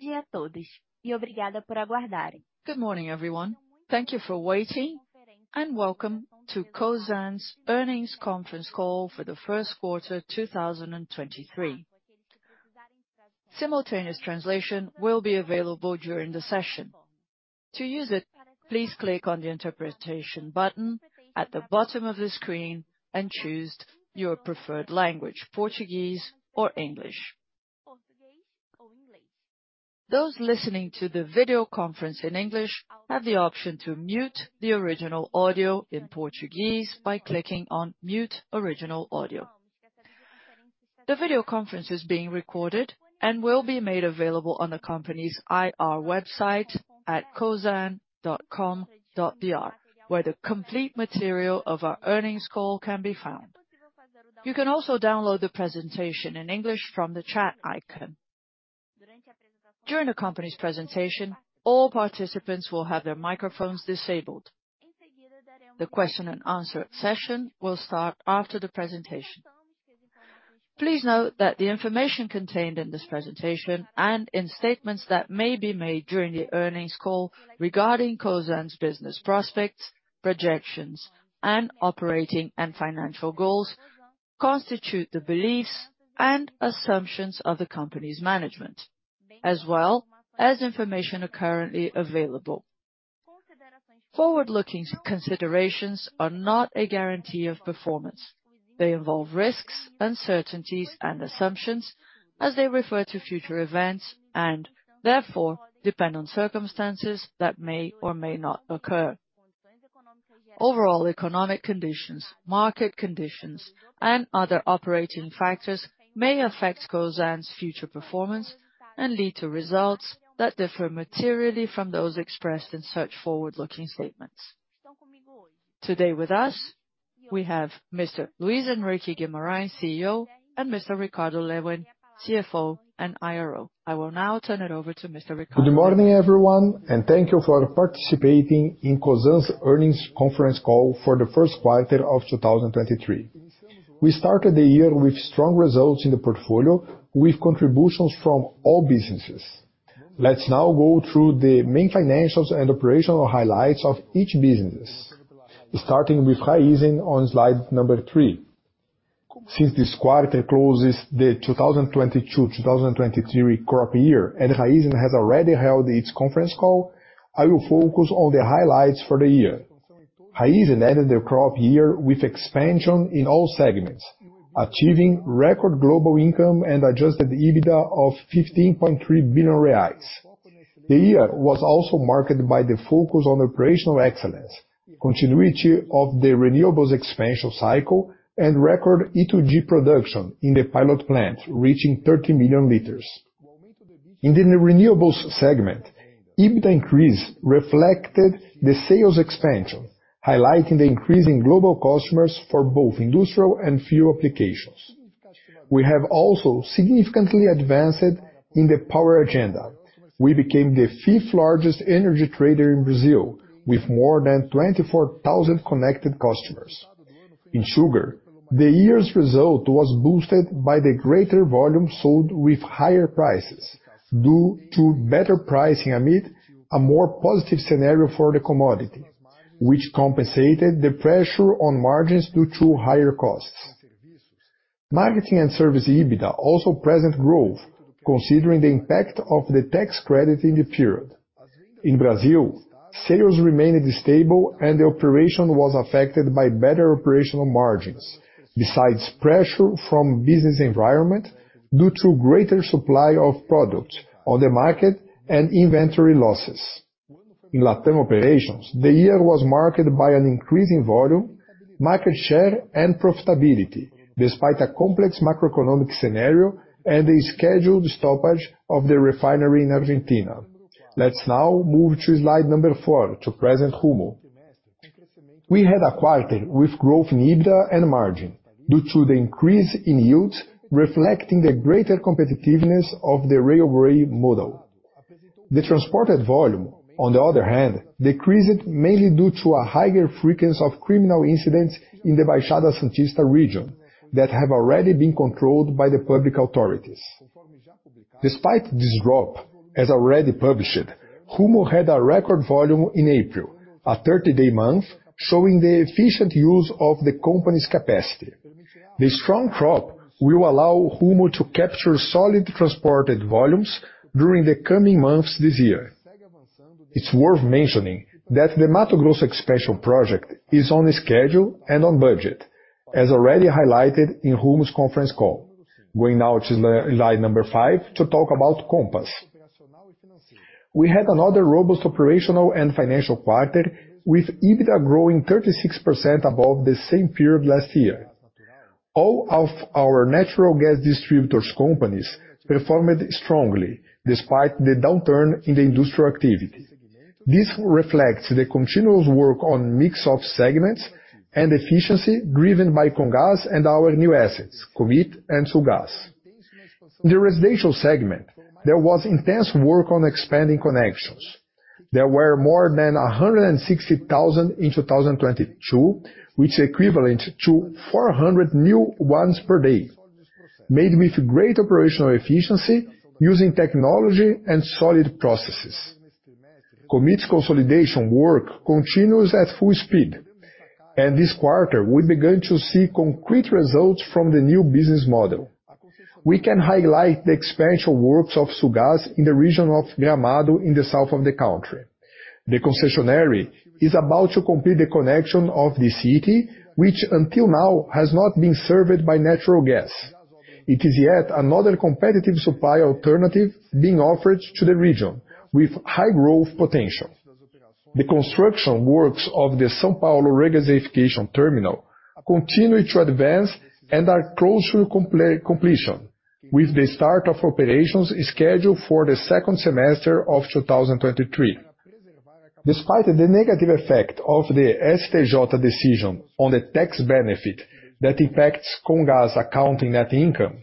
Good day to all. Thank you for waiting. Good morning, everyone. Thank you for waiting and welcome to Cosan's Earnings Conference Call for the first quarter 2023. Simultaneous translation will be available during the session. To use it, please click on the interpretation button at the bottom of the screen and choose your preferred language, Portuguese or English. Those listening to the video conference in English have the option to mute the original audio in Portuguese by clicking on Mute Original Audio. The video conference is being recorded and will be made available on the company's IR website at cosan.com.br, where the complete material of our earnings call can be found. You can also download the presentation in English from the chat icon. During the company's presentation, all participants will have their microphones disabled. The question and answer session will start after the presentation. Please note that the information contained in this presentation and in statements that may be made during the earnings call regarding Cosan's business prospects, projections and operating and financial goals constitute the beliefs and assumptions of the company's management, as well as information currently available. Forward-looking considerations are not a guarantee of performance. They involve risks, uncertainties and assumptions as they refer to future events and therefore depend on circumstances that may or may not occur. Overall economic conditions, market conditions and other operating factors may affect Cosan's future performance and lead to results that differ materially from those expressed in such forward-looking statements. Today with us, we have Mr. Luis Henrique Guimarães, CEO, and Mr. Ricardo Lewin, CFO and IRO. I will now turn it over to Mr. Ricardo. Good morning, everyone, thank you for participating in Cosan's earnings conference call for the first quarter of 2023. We started the year with strong results in the portfolio with contributions from all businesses. Let's now go through the main financials and operational highlights of each businesses. Starting with Raízen on Slide number 3. Since this quarter closes the 2022, 2023 crop year, and Raízen has already held its conference call, I will focus on the highlights for the year. Raízen ended the crop year with expansion in all segments, achieving record global income and adjusted EBITDA of 15.3 billion reais. The year was also marked by the focus on operational excellence, continuity of the renewables expansion cycle, and record E2G production in the pilot plant, reaching 30 million L. In the renewables segment, EBITDA increase reflected the sales expansion, highlighting the increase in global customers for both industrial and fuel applications. We have also significantly advanced in the power agenda. We became the fifth largest energy trader in Brazil, with more than 24,000 connected customers. In sugar, the year's result was boosted by the greater volume sold with higher prices due to better pricing amid a more positive scenario for the commodity, which compensated the pressure on margins due to higher costs. Marketing and service EBITDA also present growth considering the impact of the tax credit in the period. In Brazil, sales remained stable, and the operation was affected by better operational margins besides pressure from business environment due to greater supply of product on the market and inventory losses. In LatAm operations, the year was marked by an increase in volume, market share, and profitability, despite a complex macroeconomic scenario and the scheduled stoppage of the refinery in Argentina. Let's now move to Slide number 4 to present Rumo. We had a quarter with growth in EBITDA and margin due to the increase in yields reflecting the greater competitiveness of the railway model. The transported volume, on the other hand, decreased mainly due to a higher frequency of criminal incidents in the Baixada Santista region that have already been controlled by the public authorities. Despite this drop, as already published, Rumo had a record volume in April, a 30-day month, showing the efficient use of the company's capacity. The strong crop will allow Rumo to capture solid transported volumes during the coming months this year. It's worth mentioning that the Mato Grosso expansion project is on schedule and on budget, as already highlighted in Rumo's conference call. Going now to Slide number 5 to talk about Compass. We had another robust operational and financial quarter with EBITDA growing 36% above the same period last year. All of our natural gas distributors companies performed strongly despite the downturn in the industrial activity. This reflects the continuous work on mix-of segments and efficiency driven by Comgás and our new assets, Commit and Sulgás. In the residential segment, there was intense work on expanding connections. There were more than 160,000 in 2022, which equivalent to 400 new ones per day, made with great operational efficiency using technology and solid processes. Commit's consolidation work continues at full speed. This quarter we began to see concrete results from the new business model. We can highlight the expansion works of Sulgás in the region of Gramado in the south of the country. The concessionary is about to complete the connection of the city, which until now has not been served by natural gas. It is yet another competitive supply alternative being offered to the region with high growth potential. The construction works of the São Paulo regasification terminal continue to advance and are close to completion, with the start of operations scheduled for the second semester of 2023. Despite the negative effect of the STJ decision on the tax benefit that impacts Comgás' accounting net income,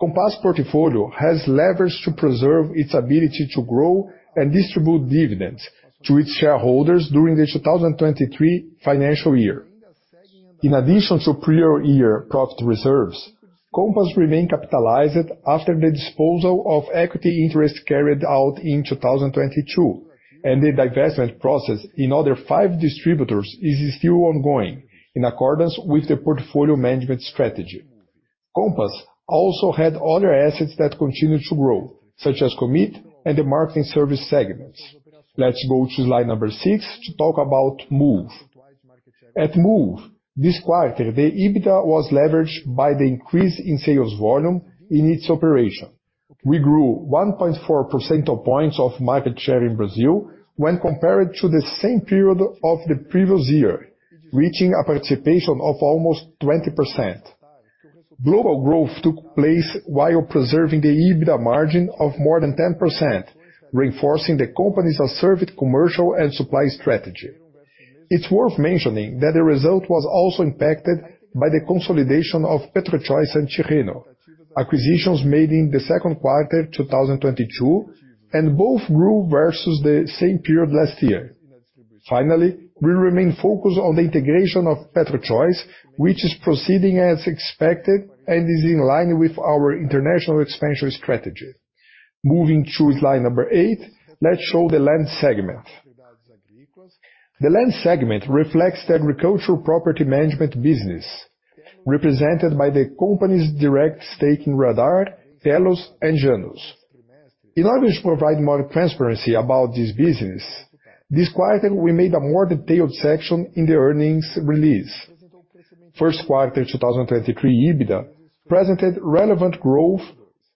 Compass portfolio has levers to preserve its ability to grow and distribute dividends to its shareholders during the 2023 financial year. In addition to prior year profit reserves, Compass remain capitalized after the disposal of equity interest carried out in 2022. The divestment process in other five distributors is still ongoing in accordance with the portfolio management strategy. Compass also had other assets that continued to grow, such as Commit and the marketing service segments. Let's go to Slide number 6 to talk about Moove. At Moove, this quarter, the EBITDA was leveraged by the increase in sales volume in its operation. We grew 1.4% of points of market share in Brazil when compared to the same period of the previous year, reaching a participation of almost 20%. Global growth took place while preserving the EBITDA margin of more than 10%, reinforcing the company's assertive commercial and supply strategy. It's worth mentioning that the result was also impacted by the consolidation of PetroChoice and Tirreno, acquisitions made in the second quarter 2022, and both grew versus the same period last year. Finally, we remain focused on the integration of PetroChoice, which is proceeding as expected and is in line with our international expansion strategy. Moving to Slide number 8, let's show the land segment. The land segment reflects the agricultural property management business, represented by the company's direct stake in Radar, Tellus, and Janus. In order to provide more transparency about this business, this quarter we made a more detailed section in the earnings release. First quarter 2023 EBITDA presented relevant growth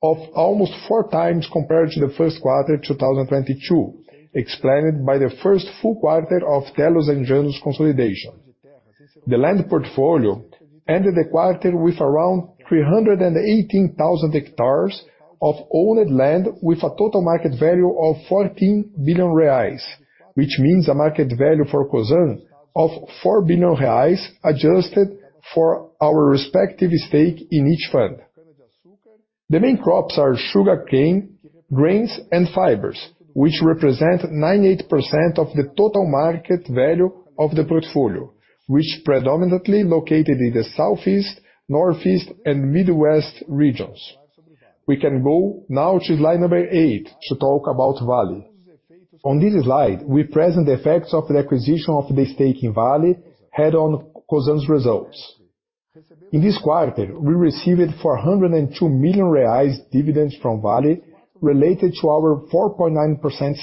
of almost 4x compared to the first quarter 2022, explained by the 1st full quarter of Tellus and Janus consolidation. The land portfolio ended the quarter with around 318,000 hectares of owned land with a total market value of 14 billion reais, which means a market value for Cosan of 4 billion reais adjusted for our respective stake in each fund. The main crops are sugarcane, grains, and fibers, which represent 98% of the total market value of the portfolio, which predominantly located in the Southeast, Northeast, and Midwest regions. We can go now to Slide number 8 to talk about Vale. On this slide, we present the effects of the acquisition of the stake in Vale had on Cosan's results. In this quarter, we received 402 million reais dividends from Vale related to our 4.9%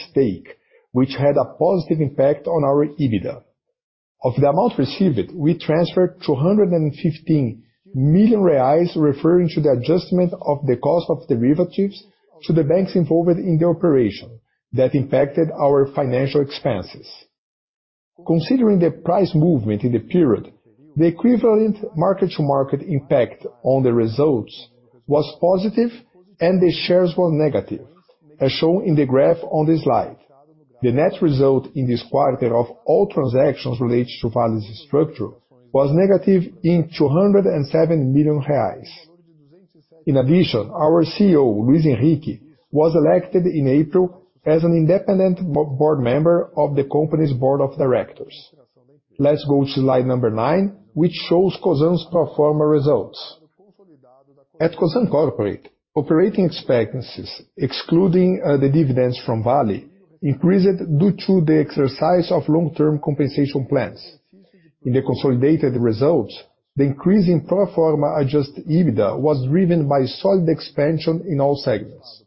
stake, which had a positive impact on our EBITDA. Of the amount received, we transferred 215 million reais referring to the adjustment of the cost of derivatives to the banks involved in the operation that impacted our financial expenses. Considering the price movement in the period, the equivalent market to market impact on the results was positive and the shares were negative, as shown in the graph on the Slide. The net result in this quarter of all transactions related to Vale's structure was negative in 207 million reais. Our CEO, Luis Henrique, was elected in April as an independent board member of the company's board of directors. Let's go to Slide 9, which shows Cosan's pro forma results. At Cosan Corporate, operating expenses, excluding the dividends from Vale, increased due to the exercise of long-term compensation plans. In the consolidated results, the increase in pro forma adjusted EBITDA was driven by solid expansion in all segments.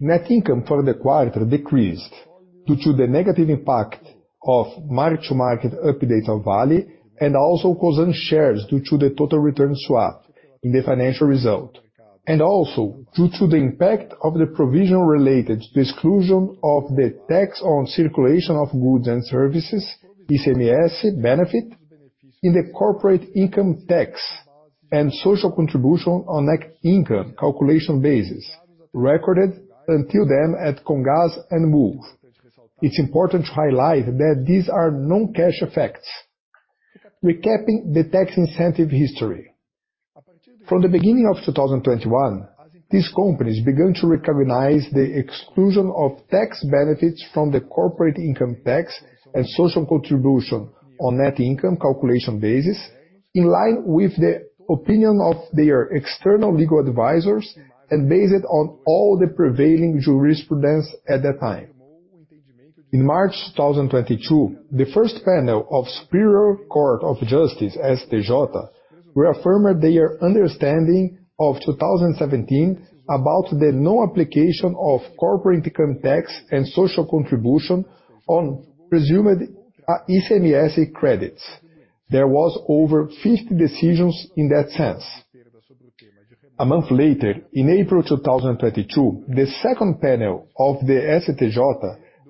Net income for the quarter decreased due to the negative impact of market to market updates on Vale and also Cosan shares due to the total return swap in the financial result, and also due to the impact of the provision related to exclusion of the tax on circulation of goods and services, ICMS benefit in the corporate income tax and social contribution on net income calculation basis recorded until then at Comgás and Moove. It's important to highlight that these are non-cash effects. Recapping the tax incentive history. From the beginning of 2021, these companies began to recognize the exclusion of tax benefits from the corporate income tax and social contribution on net income calculation basis, in line with the opinion of their external legal advisors and based on all the prevailing jurisprudence at that time. In March 2022, the First Panel of Superior Court of Justice, STJ, reaffirmed their understanding of 2017 about the non-application of corporate income tax and social contribution on presumed ICMS credits. There was over 50 decisions in that sense. A month later, in April 2022, the Second Panel of the STJ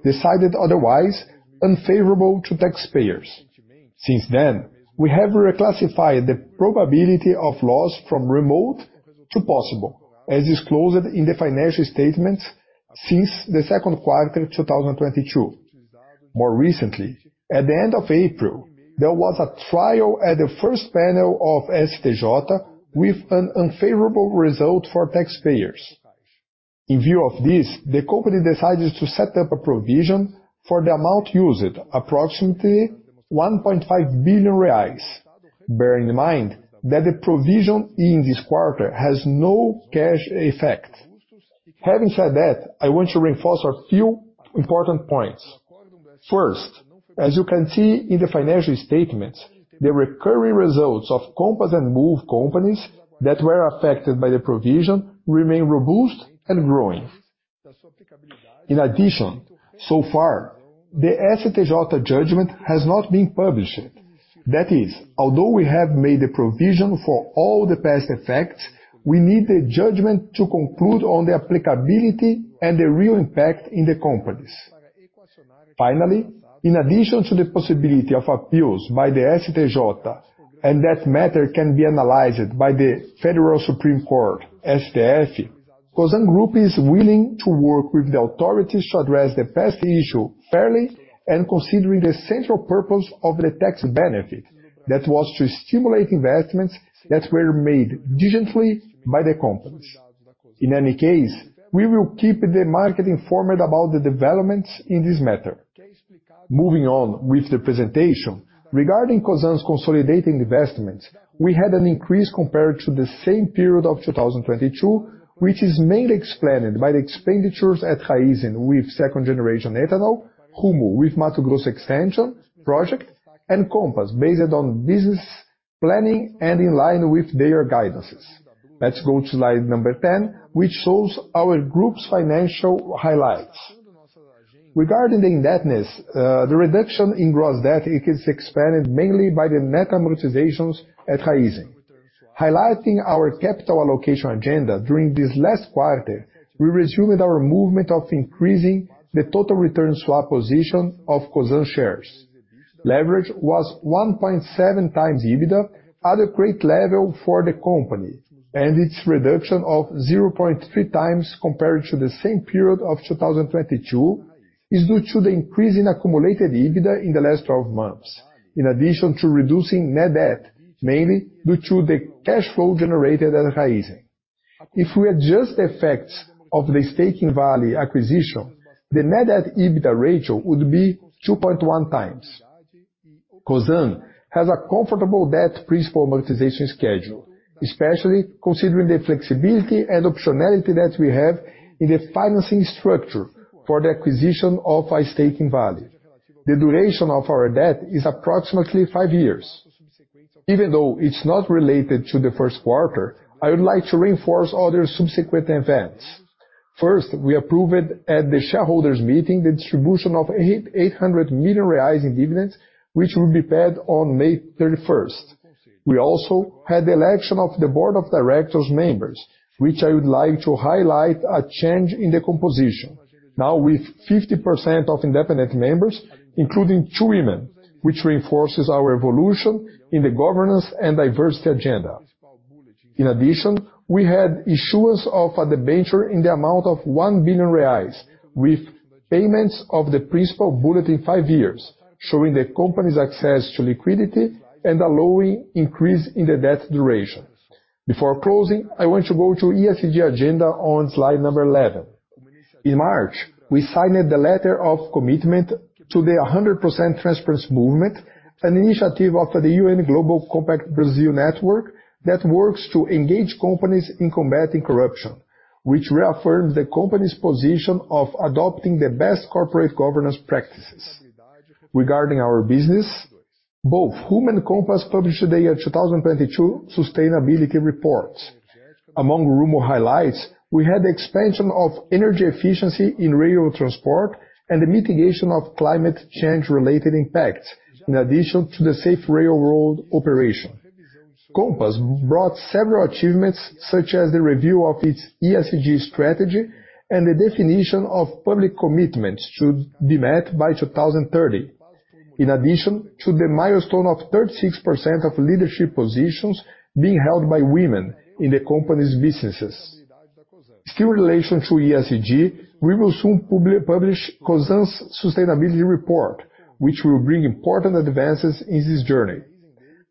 decided otherwise unfavorable to taxpayers. Since then, we have reclassified the probability of loss from remote to possible, as disclosed in the financial statements since the second quarter 2022. More recently, at the end of April, there was a trial at the first panel of STJ with an unfavorable result for taxpayers. In view of this, the company decided to set up a provision for the amount used, approximately 1.5 billion reais. Bear in mind that the provision in this quarter has no cash effect. Having said that, I want to reinforce a few important points. First, as you can see in the financial statements, the recurring results of Compass and Moove companies that were affected by the provision remain robust and growing. In addition, so far, the STJ judgment has not been published. That is, although we have made the provision for all the past effects, we need the judgment to conclude on the applicability and the real impact in the companies. Finally, in addition to the possibility of appeals by the STJ and that matter can be analyzed by the Federal Supreme Court, STF, Cosan Group is willing to work with the authorities to address the past issue fairly and considering the central purpose of the tax benefit. That was to stimulate investments that were made diligently by the companies. In any case, we will keep the market informed about the developments in this matter. Moving on with the presentation, regarding Cosan's consolidating investments, we had an increase compared to the same period of 2022, which is mainly explained by the expenditures at Raízen with second-generation ethanol, Rumo with Mato Grosso extension project, and Compass based on business planning and in line with their guidances. Let's go to Slide number 10, which shows our group's financial highlights. Regarding the indebtedness, the reduction in gross debt is expanded mainly by the net amortizations at Raízen. Highlighting our capital allocation agenda during this last quarter, we resumed our movement of increasing the total return swap position of Cosan shares. Leverage was 1.7x EBITDA at a great level for the company. Its reduction of 0.3x compared to the same period of 2022 is due to the increase in accumulated EBITDA in the last 12 months, in addition to reducing net debt, mainly due to the cash flow generated at Raízen. If we adjust the effects of the stake in Vale acquisition, the net debt EBITDA ratio would be 2.1x. Cosan has a comfortable debt principal amortization schedule, especially considering the flexibility and optionality that we have in the financing structure for the acquisition of stake in Vale. The duration of our debt is approximately five years. Even though it's not related to the first quarter, I would like to reinforce other subsequent events. First, we approved at the shareholders' meeting the distribution of 800 million reais in dividends, which will be paid on May 31st. We also had the election of the board of directors members, which I would like to highlight a change in the composition. Now with 50% of independent members, including two women, which reinforces our evolution in the governance and diversity agenda. In addition, we had issuance of a debenture in the amount of 1 billion reais with payments of the principal bullet in 5 years, showing the company's access to liquidity and allowing increase in the debt duration. Before closing, I want to go to ESG agenda on Slide number 11. In March, we signed the letter of commitment to the 100% transparency movement, an initiative of the United Nations Global Compact Brazil network that works to engage companies in combating corruption, which reaffirms the company's position of adopting the best corporate governance practices. Regarding our business, both Rumo and Compass published their 2022 sustainability reports. Among Rumo highlights, we had the expansion of energy efficiency in rail transport and the mitigation of climate change-related impacts, in addition to the safe railroad operation. Compass brought several achievements, such as the review of its ESG strategy and the definition of public commitments to be met by 2030, in addition to the milestone of 36% of leadership positions being held by women in the company's businesses. Still in relation to ESG, we will soon publish Cosan's sustainability report, which will bring important advances in this journey.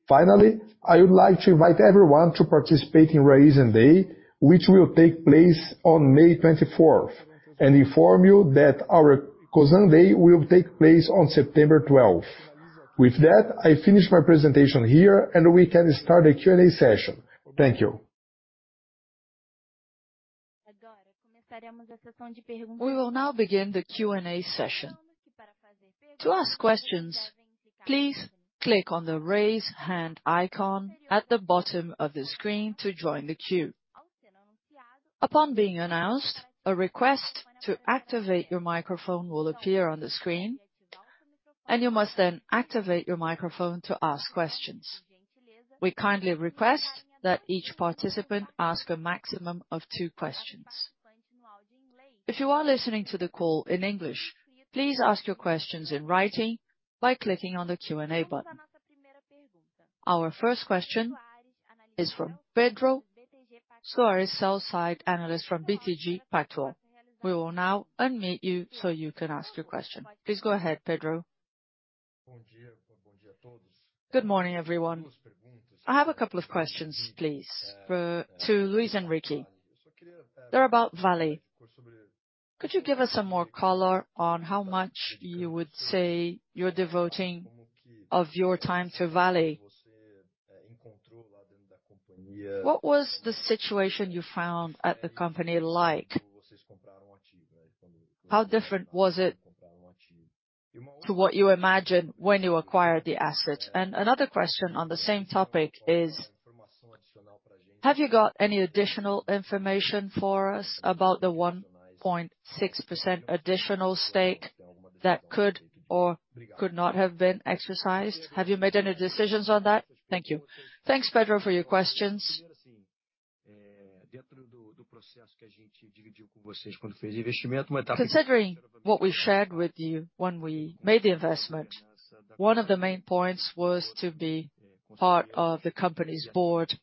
I would like to invite everyone to participate in Raízen Day, which will take place on May 24th, and inform you that our Cosan Day will take place on September 12th. With that, I finish my presentation here, and we can start the Q&A session. Thank you. We will now begin the Q&A session. To ask questions, please click on the Raise Hand icon at the bottom of the screen to join the queue. Upon being announced, a request to activate your microphone will appear on the screen, and you must then activate your microphone to ask questions. We kindly request that each participant ask a maximum of two questions. If you are listening to the call in English, please ask your questions in writing by clicking on the Q&A button. Our first question is from Pedro Soares, sell-side analyst from BTG Pactual. We will now unmute you so you can ask your question. Please go ahead, Pedro. Good morning, everyone. I have a couple of questions, please. To Luis Henrique. They're about Vale. Could you give us some more color on how much you would say you're devoting of your time to Vale? What was the situation you found at the company like? How different was it to what you imagined when you acquired the asset? Another question on the same topic is, have you got any additional information for us about the 1.6% additional stake that could or could not have been exercised? Have you made any decisions on that? Thank you. Thanks, Pedro, for your questions. Considering what we shared with you when we made the investment, one of the main points was to be part of the company's board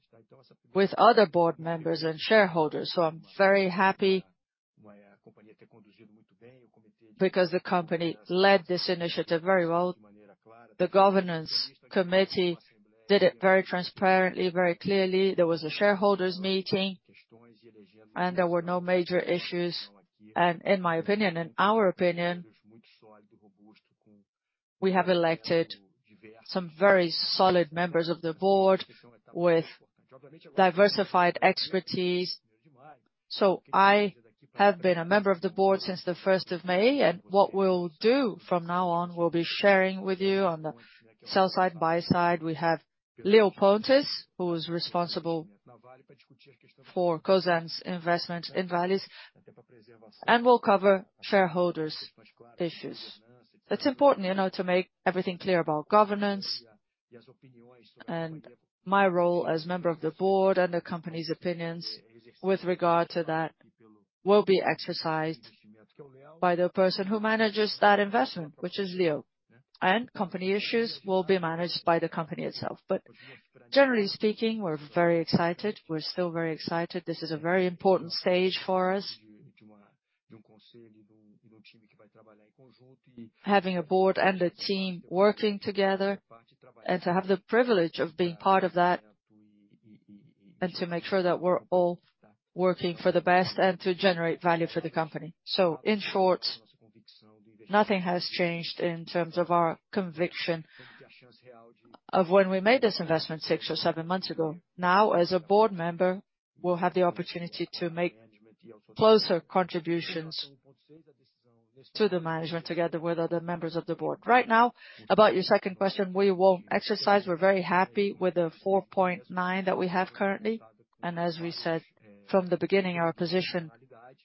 with other board members and shareholders, I'm very happy because the company led this initiative very well. The governance committee did it very transparently, very clearly. There was a shareholders meeting, there were no major issues. In my opinion, in our opinion, we have elected some very solid members of the board with diversified expertise. I have been a member of the board since the first of May, what we'll do from now on, we'll be sharing with you on the sell side, buy side. We have Leo Pontes, who is responsible for Cosan's investments in Vale, will cover shareholders' issues. It's important, you know, to make everything clear about governance. My role as member of the board and the company's opinions with regard to that will be exercised by the person who manages that investment, which is Leo. Company issues will be managed by the company itself. Generally speaking, we're very excited. We're still very excited. This is a very important stage for us. Having a board and a team working together, and to have the privilege of being part of that, and to make sure that we're all working for the best and to generate value for the company. In short, nothing has changed in terms of our conviction of when we made this investment six or seven months ago. Now, as a board member, we'll have the opportunity to make closer contributions to the management together with other members of the board. Right now, about your second question, we won't exercise. We're very happy with the 4.9 that we have currently. As we said from the beginning, our position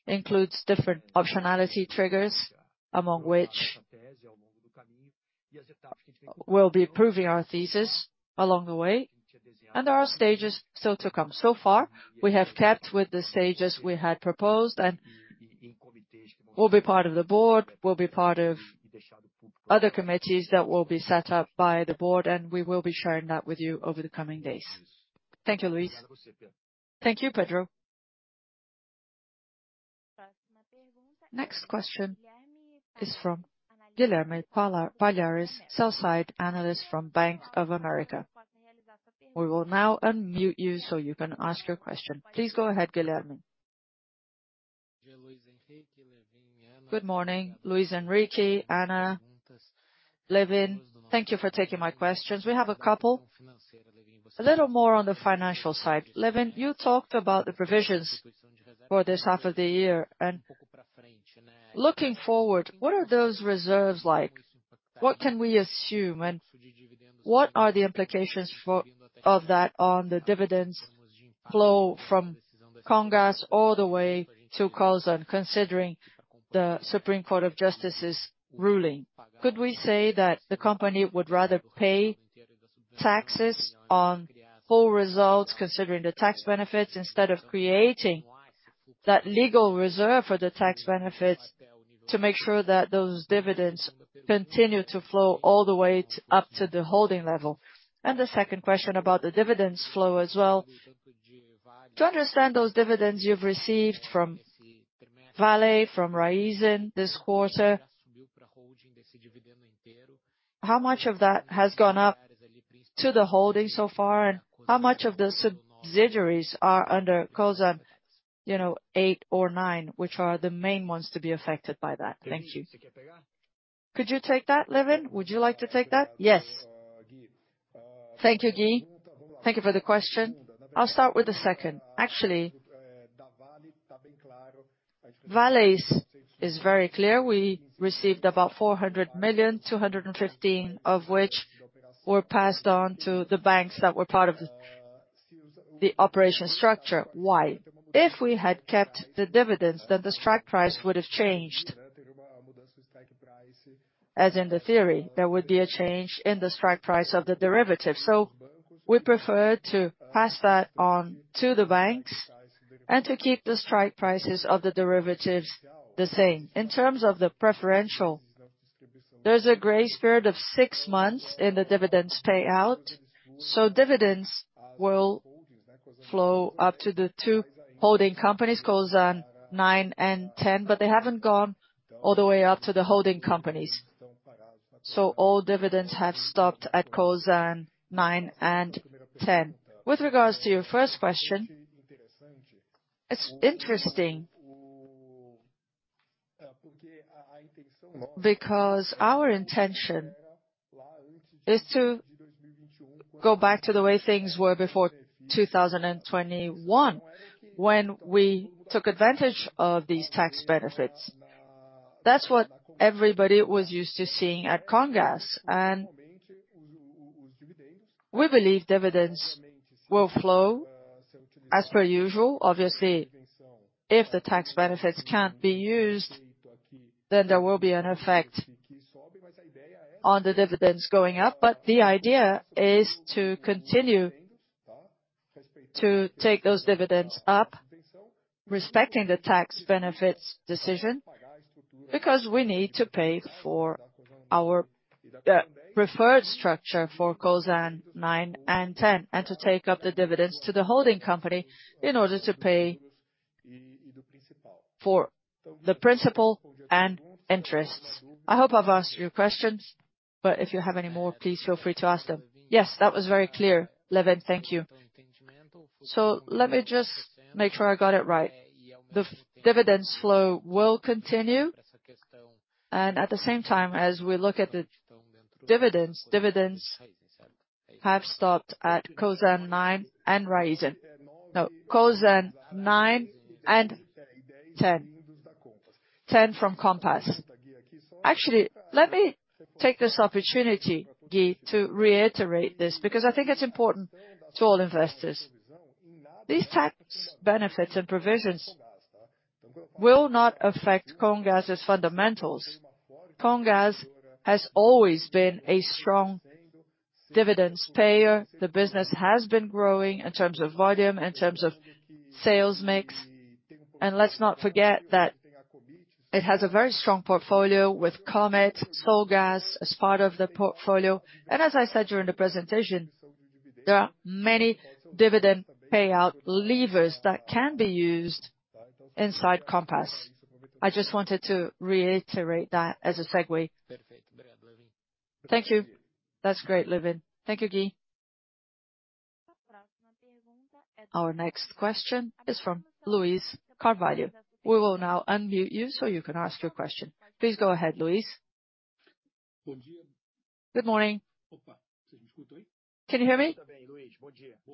includes different optionality triggers, among which we'll be proving our thesis along the way. There are stages still to come. So far, we have kept with the stages we had proposed and will be part of the board, will be part of other committees that will be set up by the board, and we will be sharing that with you over the coming days. Thank you, Luis. Thank you, Pedro. Next question is from Guilherme Palhares, sell-side analyst from Bank of America. We will now unmute you so you can ask your question. Please go ahead, Guilherme. Good morning, Luis, Henrique, Ana, Lewin. Thank you for taking my questions. We have a couple. A little more on the financial side. Lewin, you talked about the provisions for this half of the year. Looking forward, what are those reserves like? What can we assume, and what are the implications of that on the dividends flow from Comgás all the way to Cosan, considering the Superior Court of Justice's ruling? Could we say that the company would rather pay taxes on whole results considering the tax benefits, instead of creating that legal reserve for the tax benefits to make sure that those dividends continue to flow all the way up to the holding level? The second question about the dividends flow as well. To understand those dividends you've received from Vale, from Raízen this quarter. How much of that has gone up to the holding so far, and how much of the subsidiaries are under Cosan, you know, eight or nine, which are the main ones to be affected by that? Thank you. Could you take that, Lewin? Would you like to take that? Yes. Thank you, Gui. Thank you for the question. I'll start with the second. Actually, Vale's is very clear. We received about 400 million, 215 million of which were passed on to the banks that were part of the operation structure. Why? If we had kept the dividends, then the strike price would have changed. As in the theory, there would be a change in the strike price of the derivative. We prefer to pass that on to the banks and to keep the strike prices of the derivatives the same. In terms of the preferential, there's a grace period of 6 months in the dividends payout, so dividends will flow up to the two holding companies, Cosan Nove and Cosan Dez, but they haven't gone all the way up to the holding companies. All dividends have stopped at Cosan Nove and Cosan Dez. With regards to your first question, it's interesting because our intention is to go back to the way things were before 2021, when we took advantage of these tax benefits. That's what everybody was used to seeing at Comgás. We believe dividends will flow as per usual. Obviously, if the tax benefits can't be used, then there will be an effect on the dividends going up. The idea is to continue to take those dividends up, respecting the tax benefits decision, because we need to pay for our preferred structure for Cosan Nine and Ten, and to take up the dividends to the holding company in order to pay for the principal and interests. I hope I've answered your questions, but if you have any more, please feel free to ask them. Yes, that was very clear, Lewin. Thank you. Let me just make sure I got it right. The dividends flow will continue, and at the same time, as we look at the dividends have stopped at Cosan Nine and Raízen. No, Cosan Nine and Ten. Ten from Compass. Actually, let me take this opportunity, Gui, to reiterate this, because I think it's important to all investors. These tax benefits and provisions will not affect Comgás' fundamentals. Comgás has always been a strong dividends payer. The business has been growing in terms of volume, in terms of sales mix. Let's not forget that it has a very strong portfolio with Commit, Solgas as part of the portfolio. As I said during the presentation, there are many dividend payout levers that can be used inside Compass. I just wanted to reiterate that as a segue. Thank you. That's great, Lewin. Thank you, Gui. Our next question is from Luis Carvalho. We will now unmute you so you can ask your question. Please go ahead, Luis. Good morning. Can you hear me?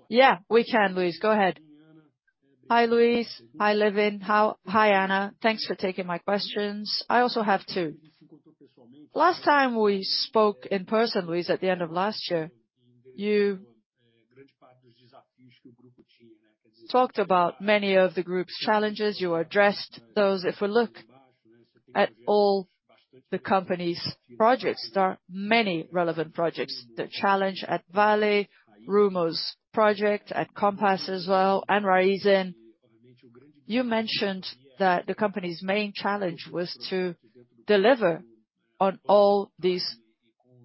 Yeah, we can, Luis. Go ahead. Hi, Luis. Hi, Lewin. Hi, Ana. Thanks for taking my questions. I also have two. Last time we spoke in person, Luis, at the end of last year, you talked about many of the group's challenges. You addressed those. If we look at all the company's projects, there are many relevant projects. The challenge at Vale, Rumo's project at Compass as well, and Raízen. You mentioned that the company's main challenge was to deliver on all these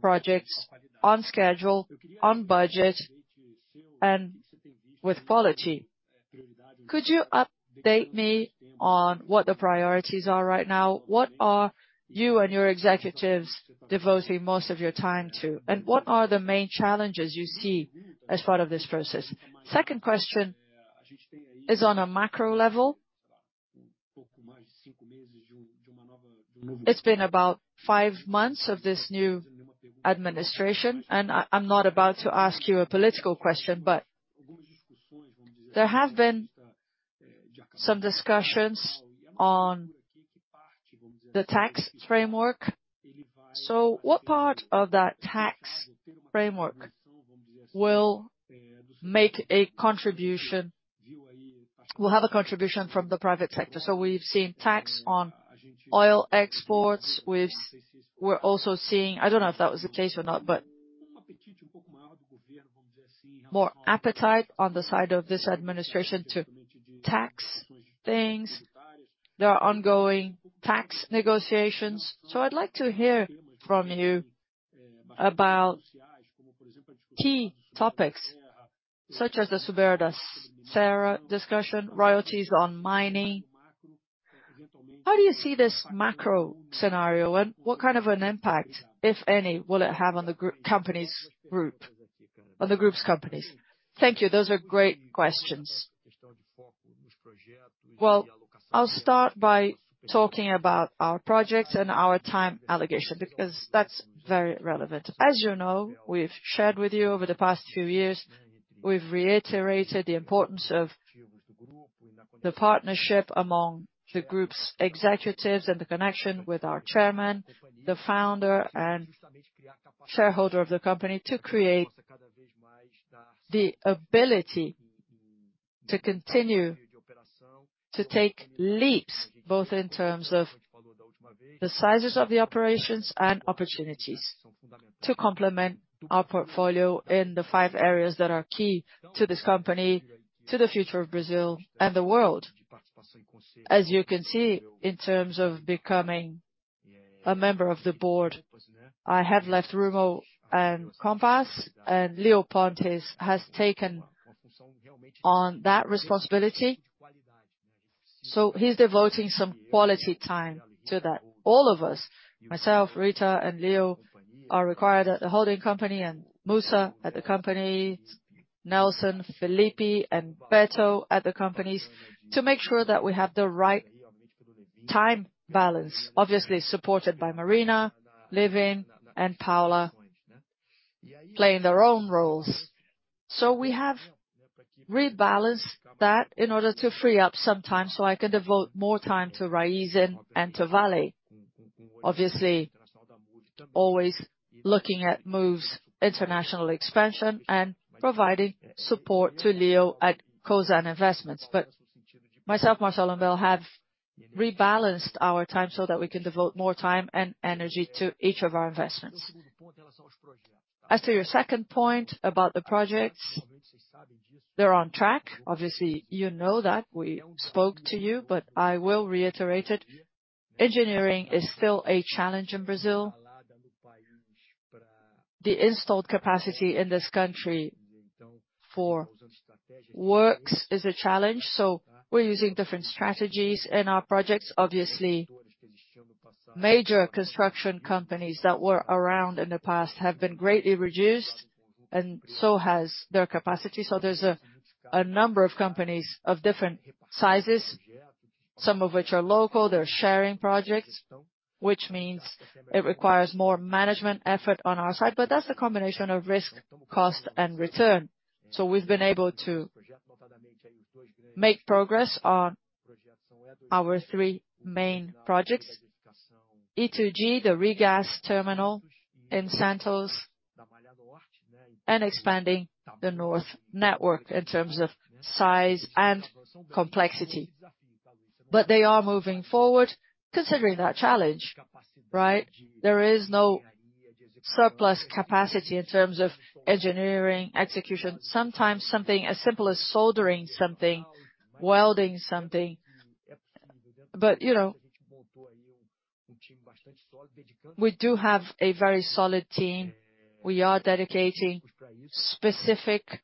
projects on schedule, on budget, and with quality. Could you update me on what the priorities are right now? What are you and your executives devoting most of your time to, and what are the main challenges you see as part of this process? Second question is on a macro level. It's been about five months of this new administration, and I'm not about to ask you a political question, but there have been some discussions on the tax framework. What part of that tax framework will have a contribution from the private sector? We've seen tax on oil exports with... We're also seeing. I don't know if that was the case or not, but more appetite on the side of this administration to tax things. There are ongoing tax negotiations. So I'd like to hear from you about key topics such as the Severance CERA discussion, royalties on mining. How do you see this macro scenario, and what kind of an impact, if any, will it have on the group's companies? Thank you. Those are great questions. Well, I'll start by talking about our projects and our time allocation, because that's very relevant. As you know, we've shared with you over the past few years, we've reiterated the importance of the partnership among the group's executives and the connection with our chairman, the founder and shareholder of the company, to create the ability to continue to take leaps, both in terms of the sizes of the operations and opportunities to complement our portfolio in the five areas that are key to this company, to the future of Brazil and the world. As you can see, in terms of becoming a member of the board, I have left Rumo and Compass, and Leo Pontes has taken on that responsibility, so he's devoting some quality time to that. All of us, myself, Rita, and Leo are required at the holding company, and Mussa at the company, Nelson, Felipe, and Beto at the companies, to make sure that we have the right time balance. Obviously, supported by Marina, Ricardo Lewin, and Paula playing their own roles. We have rebalanced that in order to free up some time so I can devote more time to Raízen and to Vale. Obviously, always looking at Moove's international expansion and providing support to Leo at Cosan Investimentos. Myself, Marcelo, and Bill have rebalanced our time so that we can devote more time and energy to each of our investments. As to your second point about the projects, they're on track. Obviously, you know that, we spoke to you, but I will reiterate it. Engineering is still a challenge in Brazil. The installed capacity in this country for works is a challenge, so we're using different strategies in our projects. Obviously, major construction companies that were around in the past have been greatly reduced, and so has their capacity. There's a number of companies of different sizes, some of which are local. They're sharing projects, which means it requires more management effort on our side, but that's a combination of risk, cost, and return. We've been able to make progress on our three main projects, E2G, the Regasification Terminal in Santos, and expanding the North Network in terms of size and complexity. They are moving forward considering that challenge, right? There is no surplus capacity in terms of engineering, execution. Sometimes something as simple as soldering something, welding something. You know, we do have a very solid team. We are dedicating specific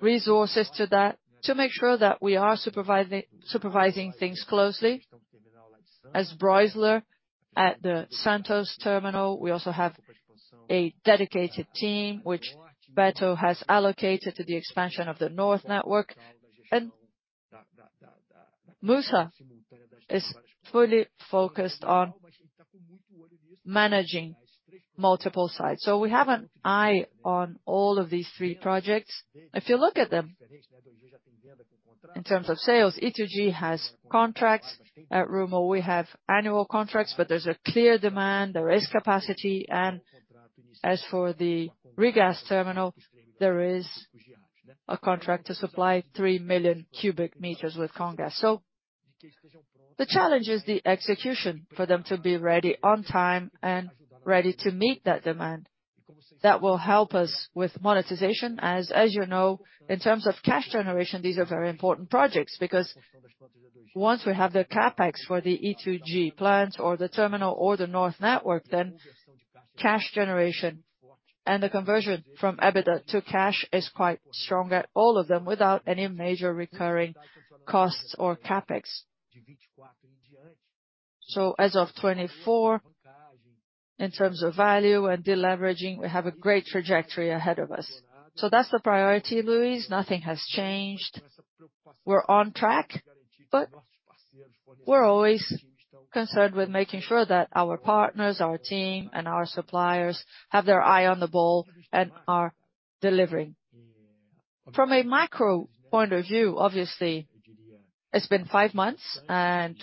resources to that to make sure that we are supervising things closely. As Broisler at the Santos terminal, we also have a dedicated team which Beto has allocated to the expansion of the North Network. Mussa is fully focused on managing multiple sites. We have an eye on all of these three projects. If you look at them, in terms of sales, E2G has contracts. At Rumo, we have annual contracts, but there's a clear demand, there is capacity. As for the Regasification Terminal, there is a contract to supply 3 million cubic meters with Comgás. The challenge is the execution for them to be ready on time and ready to meet that demand. That will help us with monetization. As you know, in terms of cash generation, these are very important projects because once we have the CapEx for the E2G plant or the terminal or the North Network, then cash generation and the conversion from EBITDA to cash is quite strong at all of them without any major recurring costs or CapEx. As of 2024, in terms of value and deleveraging, we have a great trajectory ahead of us. That's the priority, Luis. Nothing has changed. We're on track, but we're always concerned with making sure that our partners, our team, and our suppliers have their eye on the ball and are delivering. From a micro point of view, obviously, it's been 5 months and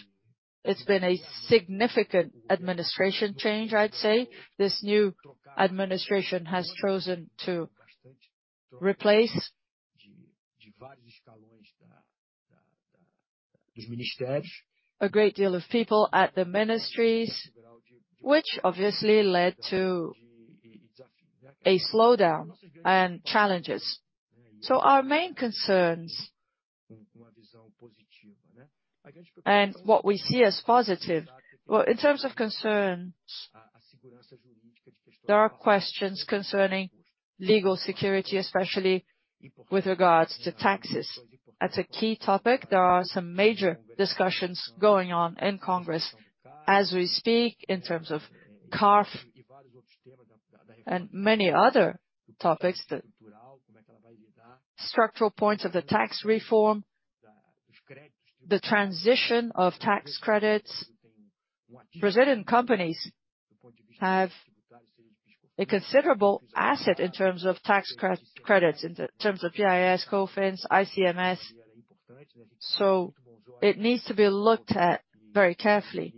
it's been a significant administration change, I'd say. This new administration has chosen to replace a great deal of people at the ministries, which obviously led to a slowdown and challenges. Our main concerns. And what we see as positive. In terms of concerns, there are questions concerning legal security, especially with regards to taxes. That's a key topic. There are some major discussions going on in Congress as we speak, in terms of CARF and many other topics that... Structural points of the tax reform, the transition of tax credits. Brazilian companies have a considerable asset in terms of tax credits, in terms of PIS, COFINS, ICMS. It needs to be looked at very carefully.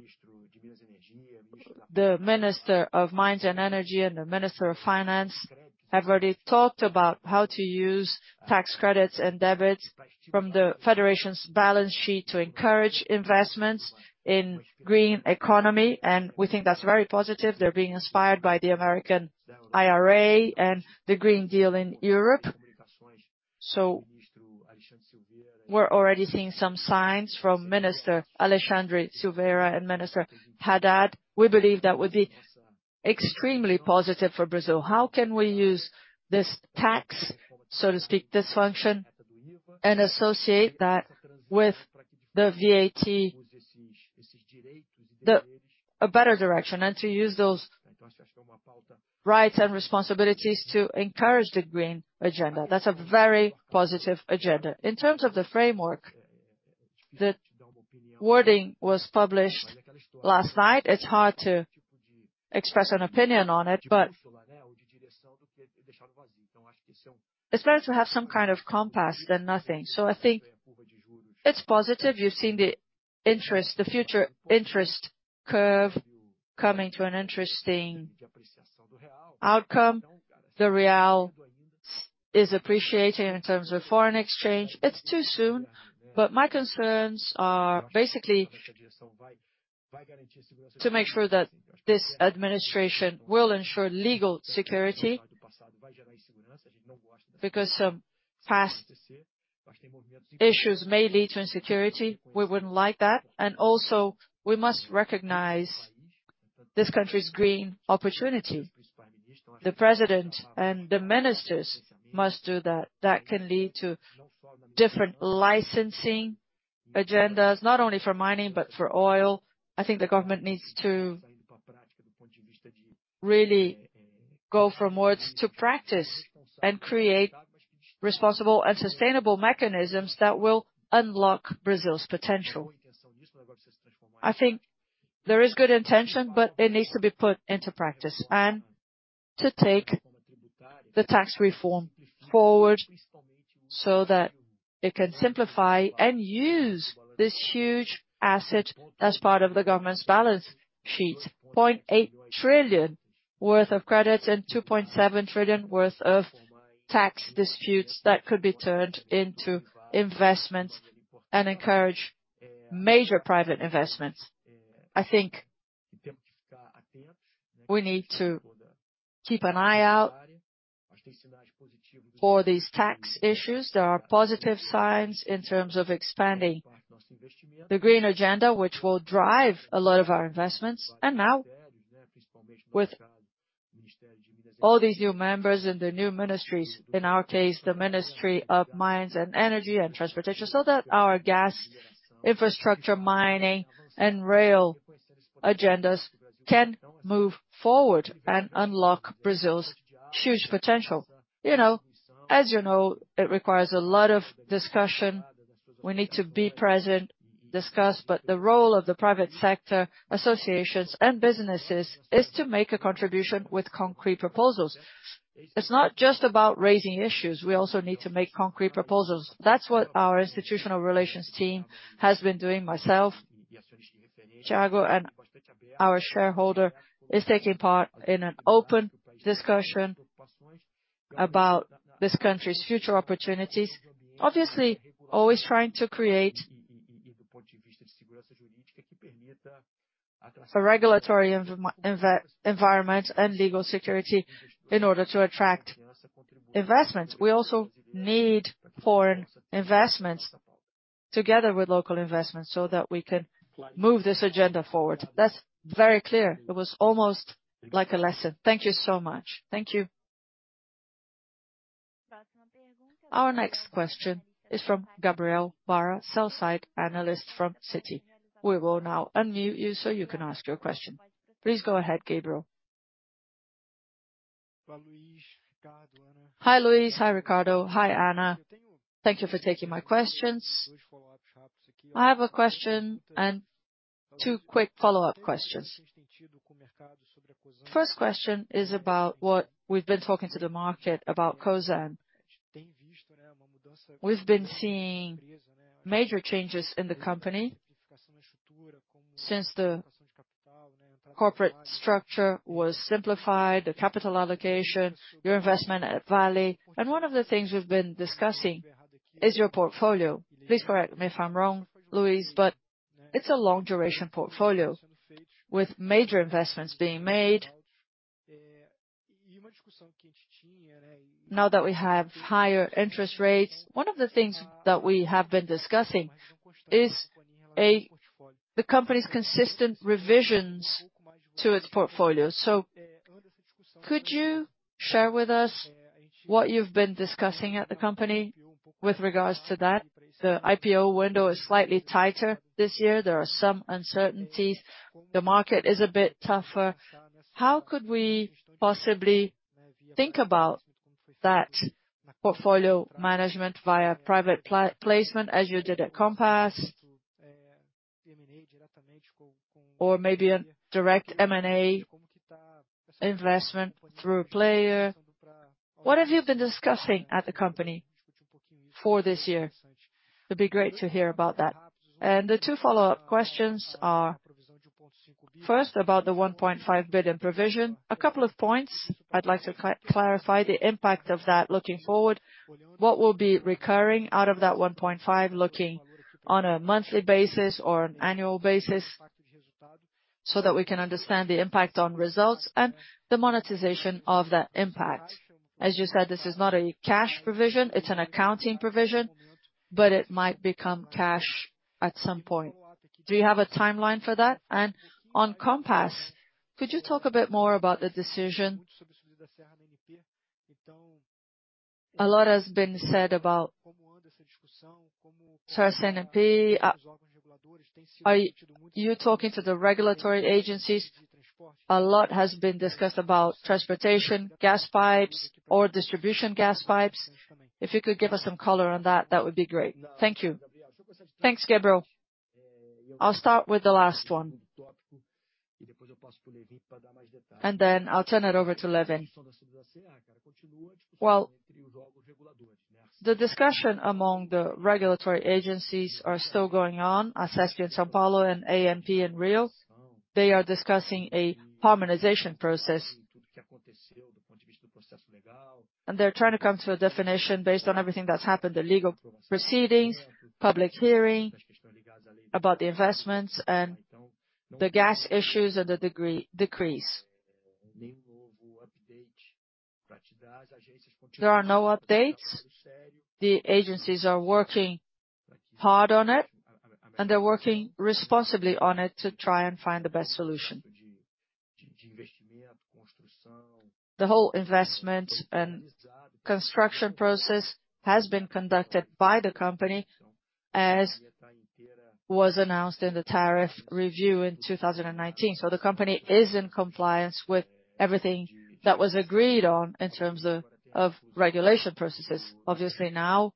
The Minister of Mines and Energy and the Minister of Finance have already talked about how to use tax credits and debits from the federation's balance sheet to encourage investments in green economy, and we think that's very positive. They're being inspired by the American IRA and the Green Deal in Europe. We're already seeing some signs from Minister Alexandre Silveira and Minister Haddad. We believe that would be extremely positive for Brazil. How can we use this tax, so to speak, this function, and associate that with the VAT, a better direction and to use those rights and responsibilities to encourage the green agenda. That's a very positive agenda. In terms of the framework, the wording was published last night. It's hard to express an opinion on it's better to have some kind of compass than nothing. I think it's positive. You've seen the interest, the future interest curve coming to an interesting outcome. The Real is appreciating in terms of foreign exchange. It's too soon, my concerns are basically to make sure that this administration will ensure legal security because some past issues may lead to insecurity. We wouldn't like that. Also, we must recognize this country's green opportunity. The President and the ministers must do that. That can lead to different licensing agendas, not only for mining, but for oil. I think the government needs to really go from words to practice and create responsible and sustainable mechanisms that will unlock Brazil's potential. I think there is good intention, but it needs to be put into practice and to take the tax reform forward so that it can simplify and use this huge asset as part of the government's balance sheet. 0.8 trillion worth of credits and 2.7 trillion worth of tax disputes that could be turned into investments and encourage major private investments. I think we need to keep an eye out for these tax issues. There are positive signs in terms of expanding the green agenda, which will drive a lot of our investments. Now, with all these new members in the new ministries, in our case, the Ministry of Mines and Energy and Transportation, so that our gas infrastructure, mining and rail agendas can move forward and unlock Brazil's huge potential. You know, as you know, it requires a lot of discussion. We need to be present, discuss. The role of the private sector associations and businesses is to make a contribution with concrete proposals. It's not just about raising issues. We also need to make concrete proposals. That's what our institutional relations team has been doing. Myself, Thiago and our shareholder is taking part in an open discussion about this country's future opportunities. Obviously, always trying to create a regulatory environment and legal security in order to attract investments. We also need foreign investments together with local investments, so that we can move this agenda forward. That's very clear. It was almost like a lesson. Thank you so much. Thank you. Our next question is from Gabriel Barra, sell-side analyst from Citi. We will now unmute you so you can ask your question. Please go ahead, Gabriel. Hi, Luis. Hi, Ricardo. Hi, Ana. Thank you for taking my questions. I have a question and two quick follow-up questions. First question is about what we've been talking to the market about Cosan. We've been seeing major changes in the company. Since the corporate structure was simplified, the capital allocation, your investment at Vale, and one of the things we've been discussing is your portfolio. Please correct me if I'm wrong, Luis, but it's a long duration portfolio with major investments being made. Now that we have higher interest rates, one of the things that we have been discussing is the company's consistent revisions to its portfolio. Could you share with us what you've been discussing at the company with regards to that? The IPO window is slightly tighter this year. There are some uncertainties. The market is a bit tougher. How could we possibly think about that portfolio management via private placement, as you did at Compass? Maybe a direct M&A investment through a player. What have you been discussing at the company for this year? It'd be great to hear about that. The two follow-up questions are, first about the 1.5 billion provision. A couple of points I'd like to clarify the impact of that looking forward. What will be recurring out of that 1.5, looking on a monthly basis or an annual basis, so that we can understand the impact on results and the monetization of that impact? As you said, this is not a cash provision, it's an accounting provision, but it might become cash at some point. Do you have a timeline for that? On Compass, could you talk a bit more about the decision? A lot has been said about Serrana NP. Are you talking to the regulatory agencies? A lot has been discussed about transportation, gas pipes, or distribution gas pipes. If you could give us some color on that would be great. Thank you. Thanks, Gabriel. I'll start with the last one. I'll turn it over to Lewin. The discussion among the regulatory agencies are still going on, as has been São Paulo and AMP in Rio. They are discussing a harmonization process. They're trying to come to a definition based on everything that's happened, the legal proceedings, public hearing about the investments and the gas issues and the decrease. There are no updates. The agencies are working hard on it, and they're working responsibly on it to try and find the best solution. The whole investment and construction process has been conducted by the company, as was announced in the tariff review in 2019. The company is in compliance with everything that was agreed on in terms of regulation processes. Obviously, now,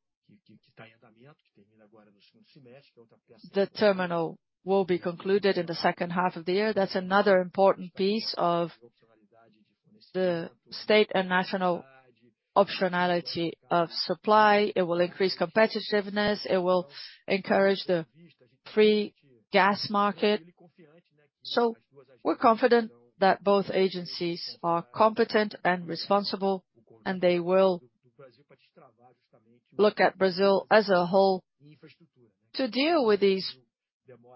the terminal will be concluded in the second half of the year. That's another important piece of the state and national optionality of supply. It will increase competitiveness. It will encourage the free gas market. We're confident that both agencies are competent and responsible, and they will look at Brazil as a whole to deal with these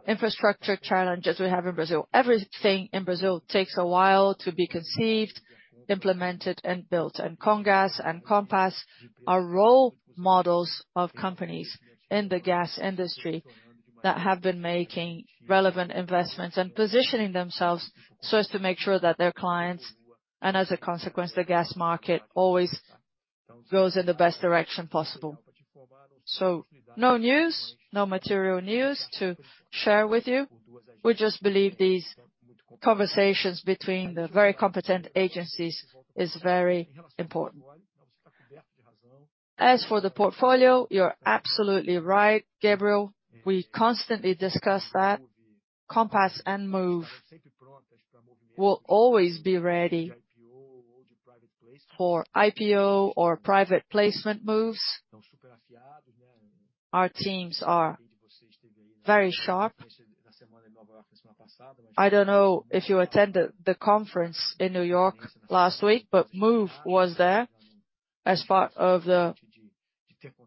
infrastructure challenges we have in Brazil. Everything in Brazil takes a while to be conceived, implemented, and built. Comgás and Compass are role models of companies in the gas industry that have been making relevant investments and positioning themselves so as to make sure that their clients, and as a consequence, the gas market, always goes in the best direction possible. No news, no material news to share with you. We just believe these conversations between the very competent agencies is very important. As for the portfolio, you're absolutely right, Gabriel. We constantly discuss that. Compass and Moove will always be ready for IPO or private placement moves. Our teams are very sharp. I don't know if you attended the conference in New York last week, but Moove was there as part of the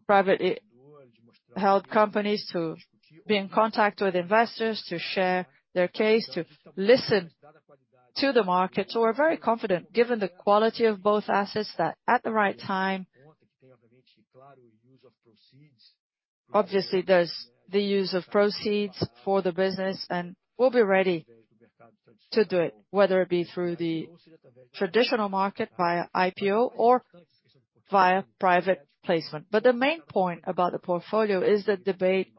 private held companies to be in contact with investors, to share their case, to listen to the market. We're very confident, given the quality of both assets, that at the right time, obviously, there's the use of proceeds for the business, and we'll be ready to do it, whether it be through the traditional market via IPO or via private placement. The main point about the portfolio is the debate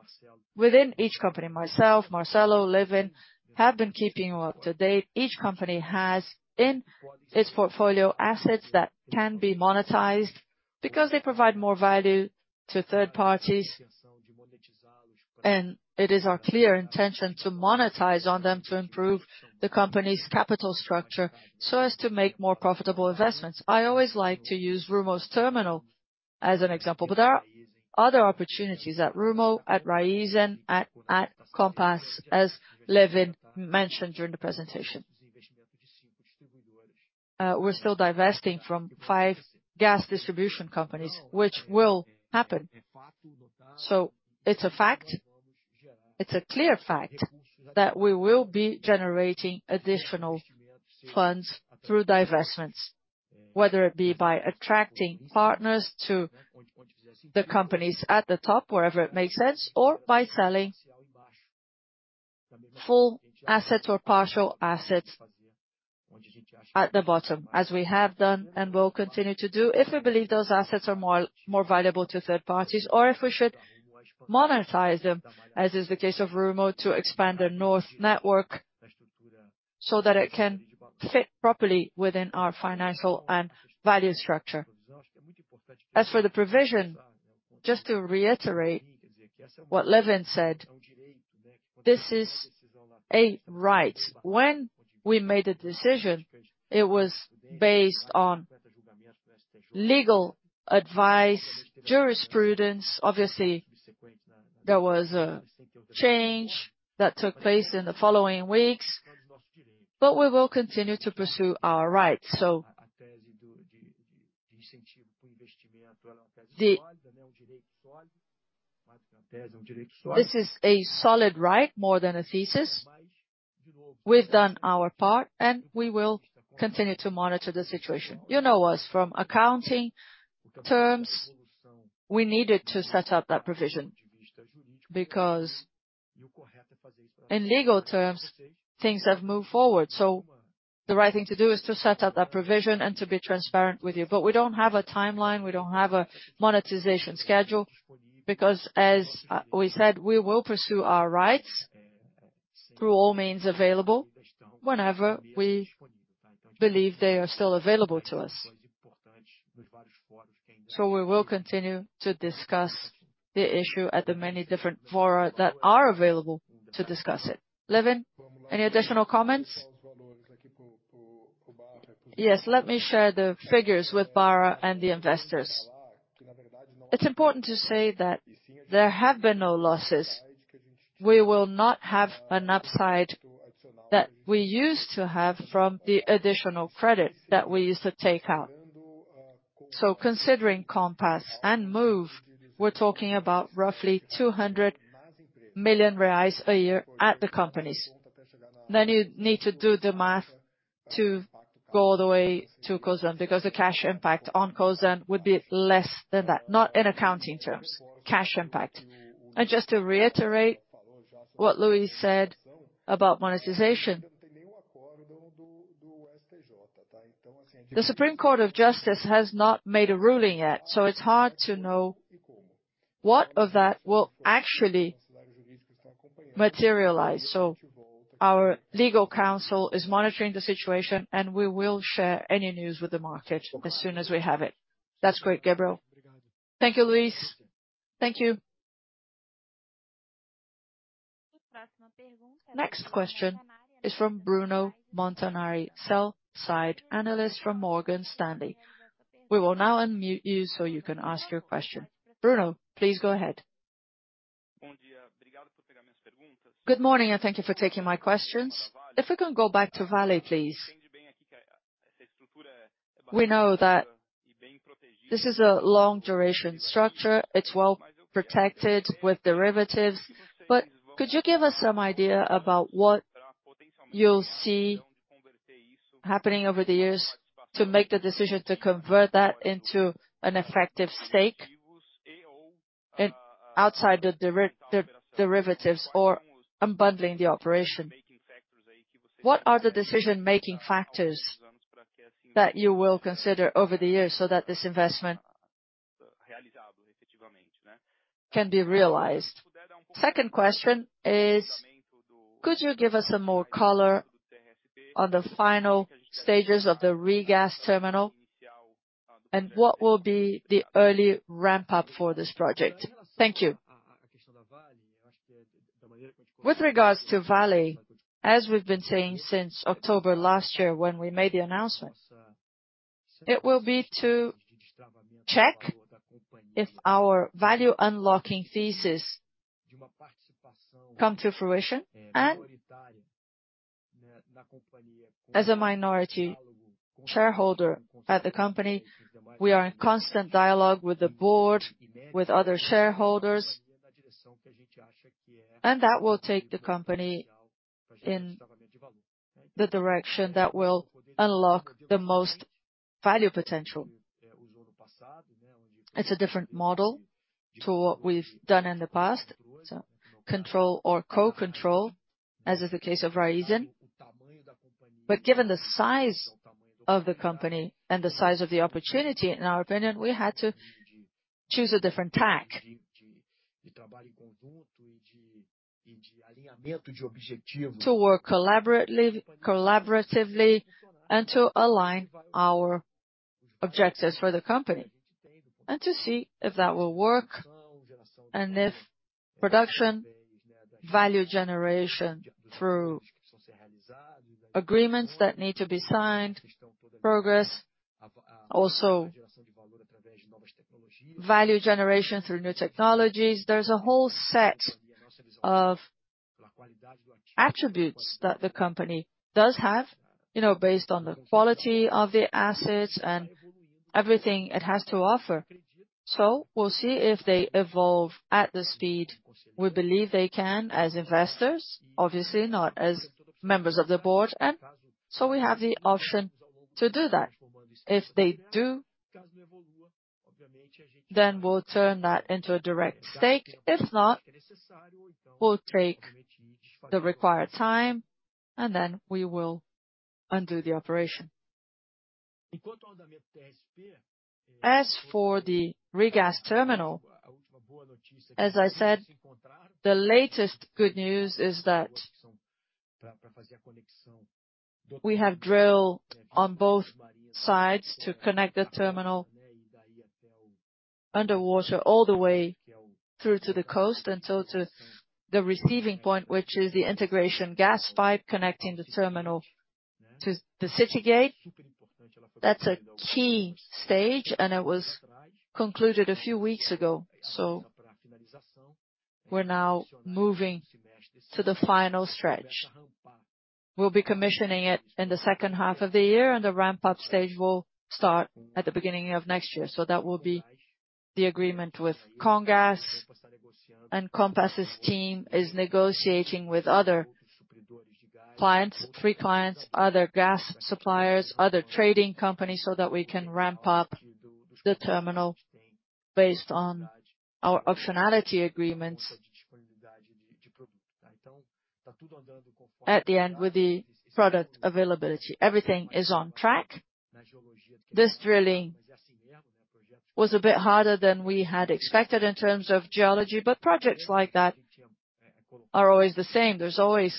within each company. Myself, Marcelo, Lewin have been keeping you up to date. Each company has in its portfolio assets that can be monetized because they provide more value to third parties. It is our clear intention to monetize on them to improve the company's capital structure so as to make more profitable investments. I always like to use Rumo's Terminal as an example. There are other opportunities at Rumo, at Raízen, at Compass, as Lewin mentioned during the presentation. We're still divesting from 5 gas distribution companies, which will happen. It's a fact. It's a clear fact that we will be generating additional funds through divestments, whether it be by attracting partners to the companies at the top, wherever it makes sense, or by selling full assets or partial assets at the bottom, as we have done and will continue to do if we believe those assets are more, more valuable to third parties or if we should monetize them, as is the case of Rumo, to expand the Malha Norte so that it can fit properly within our financial and value structure. As for the provision, just to reiterate what Lewin said, this is a right. When we made a decision, it was based on legal advice, jurisprudence. Obviously, there was a change that took place in the following weeks, but we will continue to pursue our rights. This is a solid right more than a thesis. We've done our part. We will continue to monitor the situation. You know us, from accounting terms, we needed to set up that provision because in legal terms, things have moved forward. The right thing to do is to set up that provision and to be transparent with you. We don't have a timeline, we don't have a monetization schedule because, as we said, we will pursue our rights through all means available whenever we believe they are still available to us. We will continue to discuss the issue at the many different fora that are available to discuss it. Lewin, any additional comments? Yes. Let me share the figures with Barra and the investors. It's important to say that there have been no losses. We will not have an upside that we used to have from the additional credit that we used to take out. Considering Compass and Moove, we're talking about roughly 200 million reais a year at the companies. You need to do the math to go all the way to Cosan, because the cash impact on Cosan would be less than that, not in accounting terms, cash impact. Just to reiterate what Luis said about monetization. The Superior Court of Justice has not made a ruling yet, it's hard to know what of that will actually materialize. Our legal counsel is monitoring the situation, we will share any news with the market as soon as we have it. That's great, Gabriel. Thank you, Luis. Thank you. Next question is from Bruno Montanari, Sell-Side Analyst from Morgan Stanley. We will now unmute you so you can ask your question. Bruno, please go ahead. Good morning, thank you for taking my questions. If we can go back to Vale, please. We know that this is a long-duration structure. It's well-protected with derivatives. Could you give us some idea about what you'll see happening over the years to make the decision to convert that into an effective stake in outside the derivatives or unbundling the operation? What are the decision-making factors that you will consider over the years so that this investment can be realized? Second question is, could you give us some more color on the final stages of the Regasification Terminal, what will be the early ramp-up for this project? Thank you. With regards to Vale, as we've been saying since October last year when we made the announcement, it will be to check if our value unlocking thesis come to fruition. As a minority shareholder at the company, we are in constant dialogue with the board, with other shareholders, and that will take the company in the direction that will unlock the most value potential. It's a different model to what we've done in the past, so control or co-control, as is the case of Raízen. Given the size of the company and the size of the opportunity, in our opinion, we had to choose a different tack to work collaboratively and to align our objectives for the company and to see if that will work and if production value generation through agreements that need to be signed, progress. Value generation through new technologies. There's a whole set of attributes that the company does have, you know, based on the quality of the assets and everything it has to offer. We'll see if they evolve at the speed we believe they can as investors, obviously not as members of the board. We have the option to do that. If they do, then we'll turn that into a direct stake. If not, we'll take the required time, and then we will undo the operation. As for the Regasification Terminal, as I said, the latest good news is that we have drilled on both sides to connect the terminal underwater all the way through to the coast and so to the receiving point, which is the integration gas pipe connecting the terminal to the city gate. That's a key stage, and it was concluded a few weeks ago, so we're now moving to the final stretch. We'll be commissioning it in the second half of the year, and the ramp-up stage will start at the beginning of next year. That will be the agreement with Comgás. Compass's team is negotiating with other clients, free clients, other gas suppliers, other trading companies, so that we can ramp up the terminal based on our optionality agreements at the end with the product availability. Everything is on track. This drilling was a bit harder than we had expected in terms of geology, but projects like that are always the same. There's always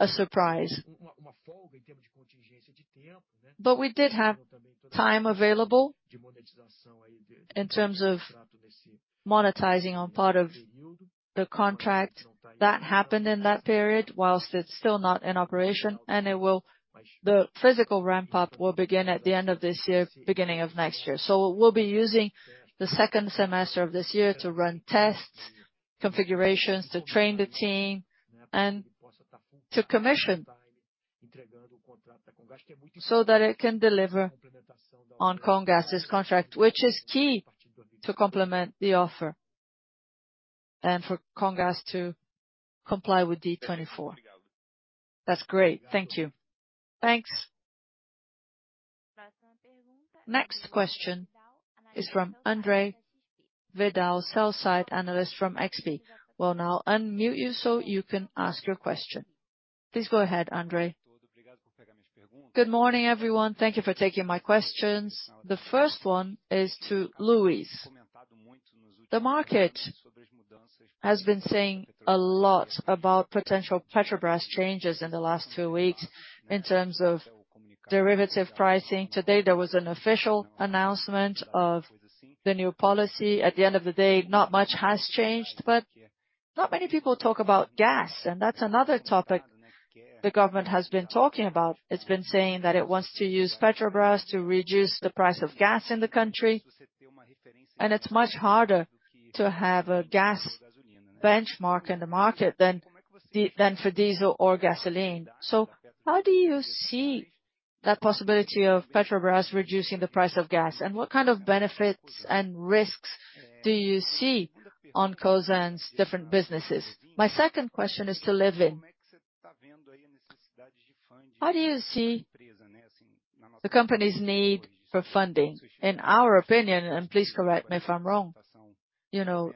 a surprise. We did have time available in terms of monetizing on part of the contract that happened in that period, while it's still not in operation, the physical ramp-up will begin at the end of this year, beginning of next year. We'll be using the second semester of this year to run tests, configurations, to train the team and to commission so that it can deliver on Comgás' contract, which is key to complement the offer and for Comgás to comply with D 24. That's great. Thank you. Thanks. Next question is from André Vidal, Sell-Side Analyst from XP. We'll now unmute you so you can ask your question. Please go ahead, André. Good morning, everyone. Thank you for taking my questions. The first one is to Luis. The market has been saying a lot about potential Petrobras changes in the last two weeks in terms of derivative pricing. There was an official announcement of the new policy. At the end of the day, not much has changed, but not many people talk about gas, and that's another topic the government has been talking about. It's been saying that it wants to use Petrobras to reduce the price of gas in the country, and it's much harder to have a gas benchmark in the market than than for diesel or gasoline. How do you see that possibility of Petrobras reducing the price of gas, and what kind of benefits and risks do you see on Cosan's different businesses? My second question is to Lewin. How do you see the company's need for funding? In our opinion, please correct me if I'm wrong, you know,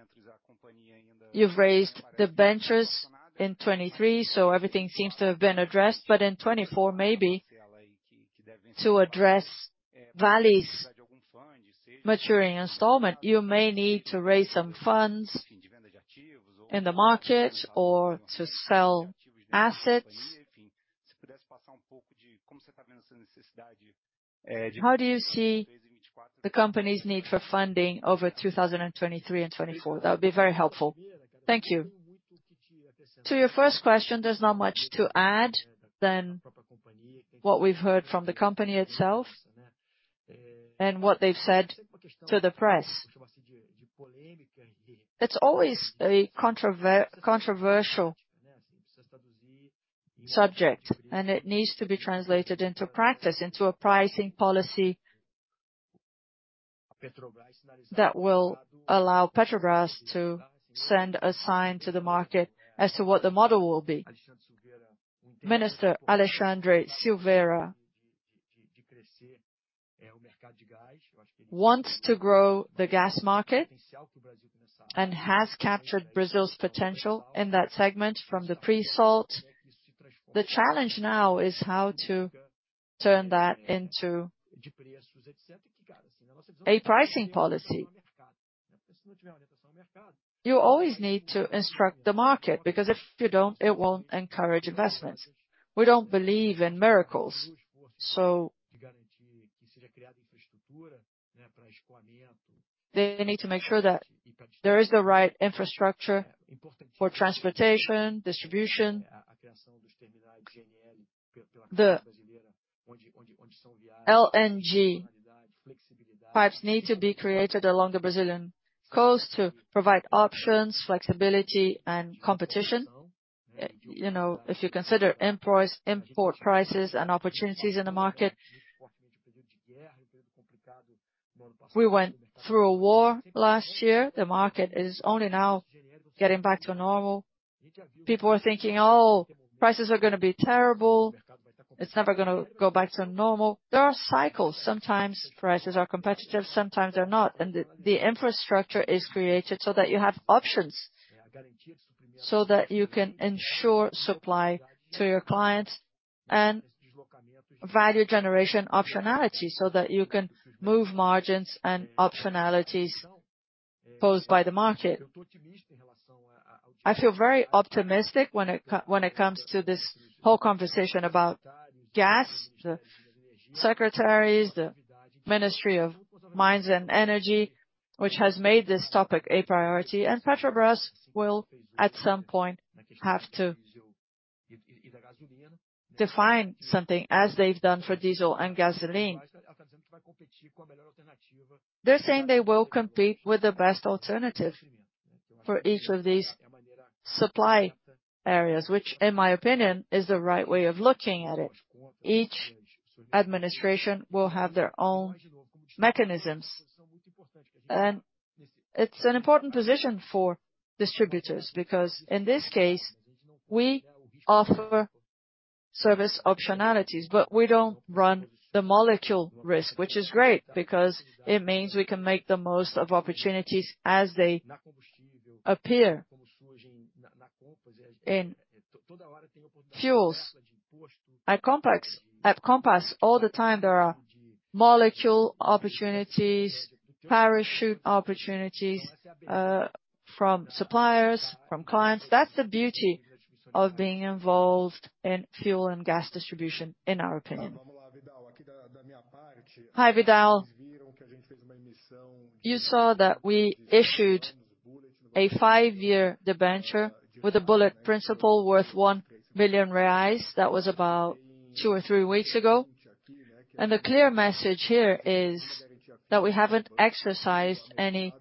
you've raised the debentures in 2023, everything seems to have been addressed. In 2024, maybe to address Vale's maturing installment, you may need to raise some funds in the market or to sell assets. How do you see the company's need for funding over 2023 and 2024? That would be very helpful. Thank you. To your first question, there's not much to add than what we've heard from the company itself and what they've said to the press. It's always a controversial subject, it needs to be translated into practice, into a pricing policy that will allow Petrobras to send a sign to the market as to what the model will be. Minister Alexandre Silveira wants to grow the gas market and has captured Brazil's potential in that segment from the pre-salt. The challenge now is how to turn that into a pricing policy. You always need to instruct the market, because if you don't, it won't encourage investments. We don't believe in miracles. They need to make sure that there is the right infrastructure for transportation, distribution. The LNG pipes need to be created along the Brazilian coast to provide options, flexibility, and competition. You know, if you consider import prices and opportunities in the market. We went through a war last year. The market is only now getting back to normal. People are thinking, "Oh, prices are gonna be terrible. It's never gonna go back to normal." There are cycles. Sometimes prices are competitive, sometimes they're not. The infrastructure is created so that you have options so that you can ensure supply to your clients and value generation optionality so that you can move margins and optionalities posed by the market. I feel very optimistic when it comes to this whole conversation about gas. The secretaries, the Ministry of Mines and Energy, which has made this topic a priority, and Petrobras will, at some point, have to define something as they've done for diesel and gasoline. They're saying they will compete with the best alternative for each of these supply areas, which in my opinion, is the right way of looking at it. Each administration will have their own mechanisms. It's an important position for distributors because in this case, we offer service optionalities, but we don't run the molecule risk, which is great because it means we can make the most of opportunities as they appear. In fuels, at Compass all the time there are molecule opportunities, parachute opportunities, from suppliers, from clients. That's the beauty of being involved in fuel and gas distribution in our opinion. Hi, Vidal. You saw that we issued a five-year debenture with a bullet principle worth 1 billion reais. That was about two or three weeks ago. The clear message here is that we haven't exercised any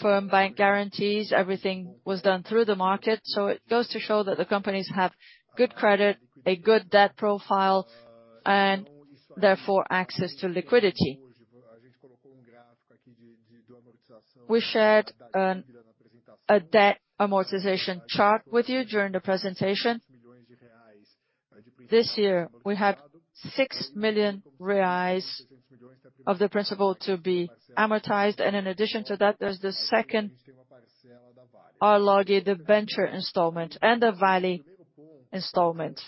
firm bank guarantees. Everything was done through the market. It goes to show that the companies have good credit, a good debt profile, and therefore access to liquidity. We shared a debt amortization chart with you during the presentation. This year, we have 6 million reais of the principal to be amortized. In addition to that, there's the second Arlog debenture installment and the Vale installment.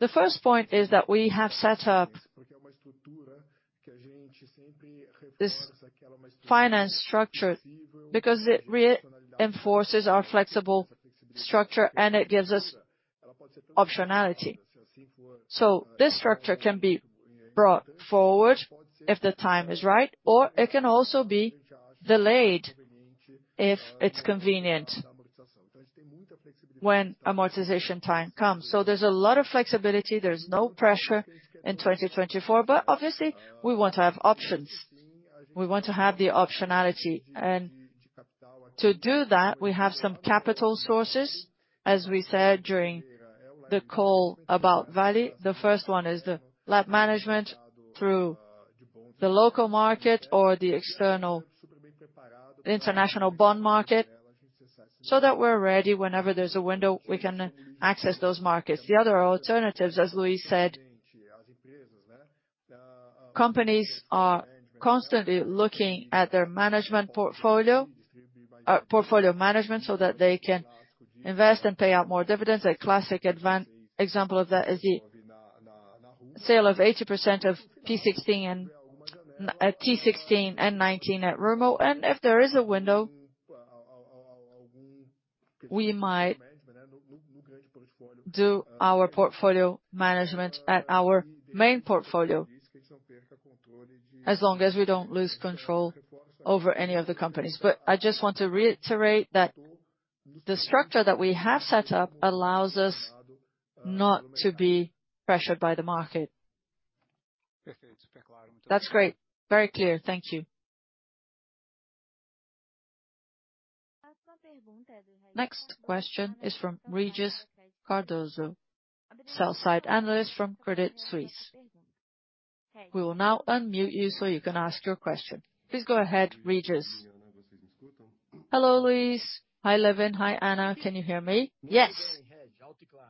The first point is that we have set up this finance structure because it reinforces our flexible structure and it gives us optionality. This structure can be brought forward if the time is right, or it can also be delayed if it's convenient when amortization time comes. There's a lot of flexibility. There's no pressure in 2024. Obviously, we want to have options. We want to have the optionality. To do that, we have some capital sources, as we said during the call about Vale. The first one is the liability management through the local market or the external international bond market, so that we're ready. Whenever there's a window, we can access those markets. The other alternatives, as Luis said, companies are constantly looking at their management portfolio management so that they can invest and pay out more dividends. A classic example of that is the sale of 80% of T16 and 19 at Rumo. If there is a window, we might do our portfolio management at our main portfolio as long as we don't lose control over any of the companies. I just want to reiterate that the structure that we have set up allows us not to be pressured by the market. That's great. Very clear. Thank you. Next question is from Regis Cardoso, sell-side analyst from Credit Suisse. We will now unmute you so you can ask your question. Please go ahead, Regis. Hello, Luis. Hi, Lewin. Hi, Ana. Can you hear me? Yes.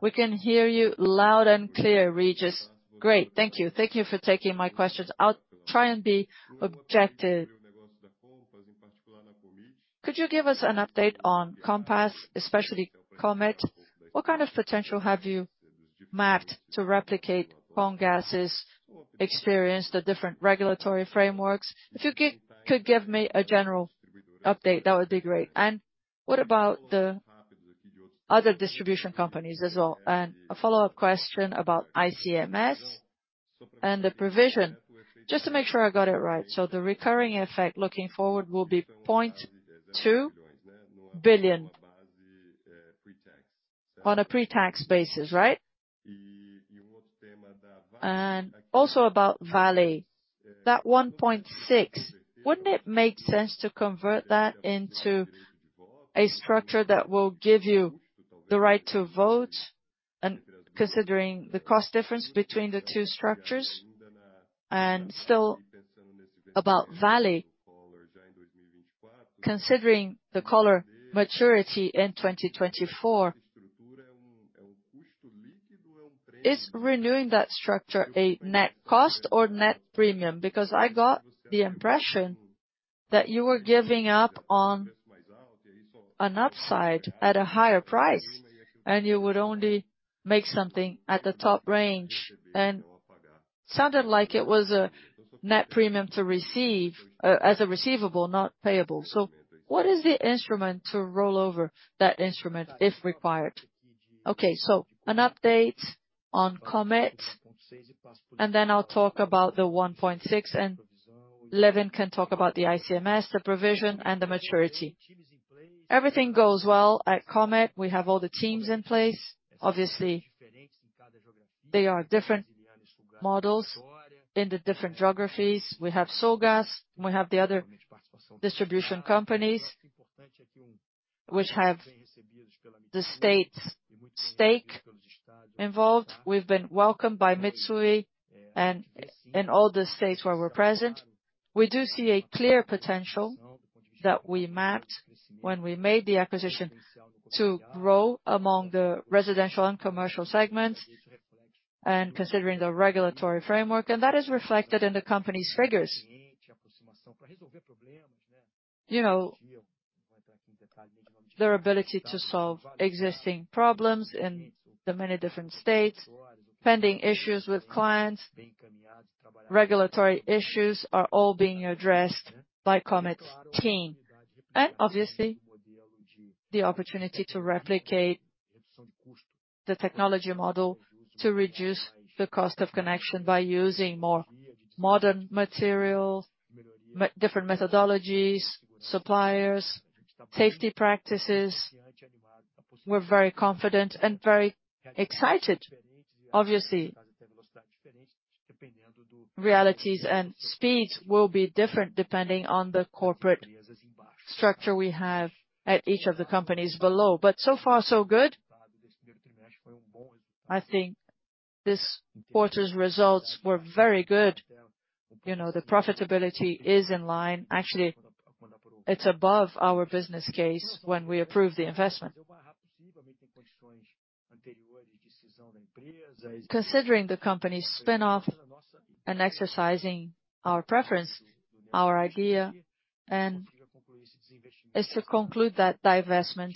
We can hear you loud and clear, Regis. Great. Thank you. Thank you for taking my questions. I'll try and be objective. Could you give us an update on Compass, especially Commit? What kind of potential have you mapped to replicate Comgás' experience, the different regulatory frameworks? If you could give me a general update, that would be great. What about Other distribution companies as well. A follow-up question about ICMS and the provision. Just to make sure I got it right. The recurring effect looking forward will be 0.2 billion on a pre-tax basis, right? Also about Vale, that 1.6, wouldn't it make sense to convert that into a structure that will give you the right to vote and considering the cost difference between the two structures? Still about Vale, considering the caller maturity in 2024, is renewing that structure a net cost or net premium? I got the impression that you were giving up on an upside at a higher price, and you would only make something at the top range and sounded like it was a net premium to receive, as a receivable, not payable. What is the instrument to roll over that instrument if required? An update on Commit, and then I'll talk about the 1.6, and Lewin can talk about the ICMS, the provision, and the maturity. Everything goes well at Commit. We have all the teams in place. Obviously, they are different models in the different geographies. We have Sulgás, and we have the other distribution companies which have the state's stake involved. We've been welcomed by Mitsui and all the states where we're present. We do see a clear potential that we mapped when we made the acquisition to grow among the residential and commercial segments, and considering the regulatory framework, and that is reflected in the company's figures. You know, their ability to solve existing problems in the many different states, pending issues with clients, regulatory issues are all being addressed by Commit team. Obviously, the opportunity to replicate the technology model to reduce the cost of connection by using more modern material, different methodologies, suppliers, safety practices. We're very confident and very excited. Obviously, realities and speeds will be different depending on the corporate structure we have at each of the companies below. So far so good. I think this quarter's results were very good. You know, the profitability is in line. Actually, it's above our business case when we approved the investment. Considering the company's spin off and exercising our preference, our idea is to conclude that divestment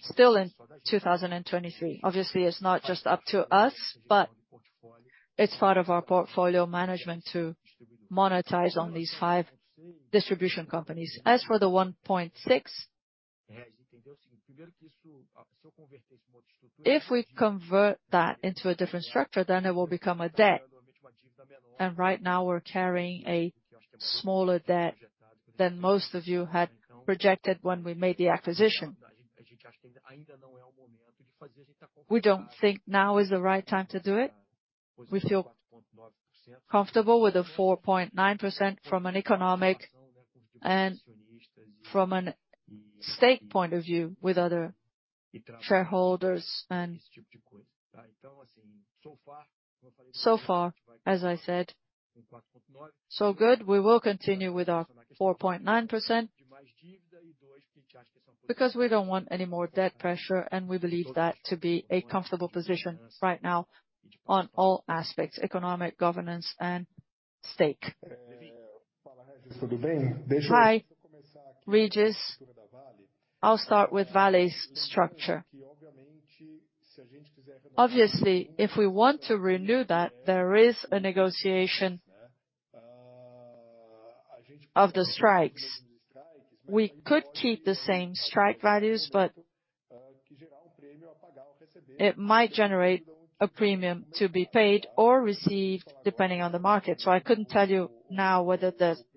still in 2023. Obviously, it's not just up to us, but it's part of our portfolio management to monetize on these five distribution companies. As for the 1.6, if we convert that into a different structure, then it will become a debt. Right now, we're carrying a smaller debt than most of you had projected when we made the acquisition. We don't think now is the right time to do it. We feel comfortable with the 4.9% from an economic and from an state point of view with other shareholders and... Far, as I said, so good, we will continue with our 4.9% because we don't want any more debt pressure, and we believe that to be a comfortable position right now on all aspects, economic, governance, and stake. Hi, Regis. I'll start with Vale's structure. Obviously, if we want to renew that, there is a negotiation of the strikes. We could keep the same strike values, but it might generate a premium to be paid or received depending on the market. I couldn't tell you now whether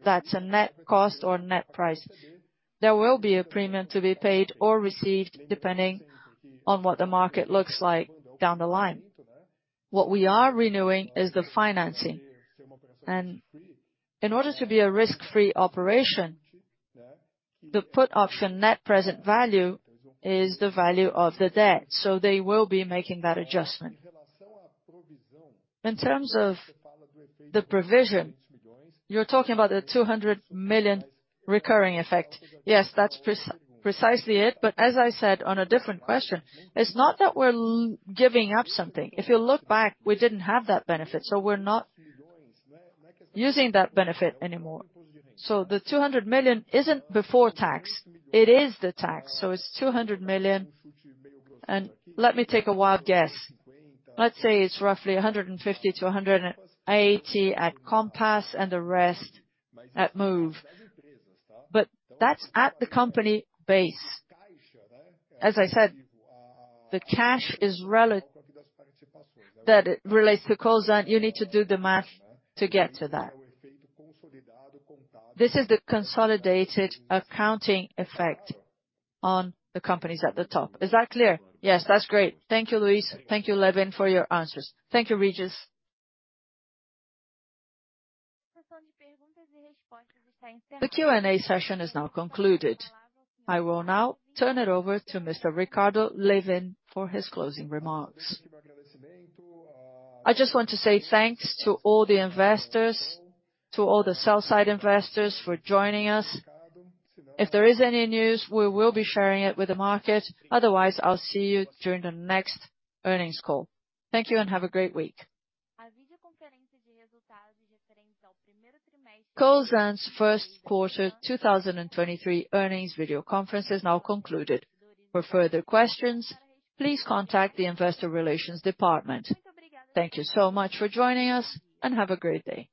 that's a net cost or net price. There will be a premium to be paid or received depending on what the market looks like down the line. What we are renewing is the financing. In order to be a risk-free operation, the put option net present value is the value of the debt. They will be making that adjustment. In terms of the provision, you're talking about the 200 million recurring effect. Yes, that's precisely it. As I said on a different question, it's not that we're giving up something. If you look back, we didn't have that benefit, so we're not using that benefit anymore. The 200 million isn't before tax, it is the tax. It's 200 million. Let me take a wild guess. Let's say it's roughly 150 million-180 million at Compass and the rest at Moove. That's at the company base. As I said, the cash that relates to Cosan, you need to do the math to get to that. This is the consolidated accounting effect on the companies at the top. Is that clear? Yes, that's great. Thank you, Luis. Thank you, Lewin, for your answers. Thank you, Regis. The Q&A session is now concluded. I will now turn it over to Mr. Ricardo Lewin for his closing remarks. I just want to say thanks to all the investors, to all the sell-side investors for joining us. If there is any news, we will be sharing it with the market. Otherwise, I'll see you during the next earnings call. Thank you and have a great week. Cosan's 1st quarter 2023 earnings video conference is now concluded. For further questions, please contact the Investor Relations department. Thank you so much for joining us, and have a great day.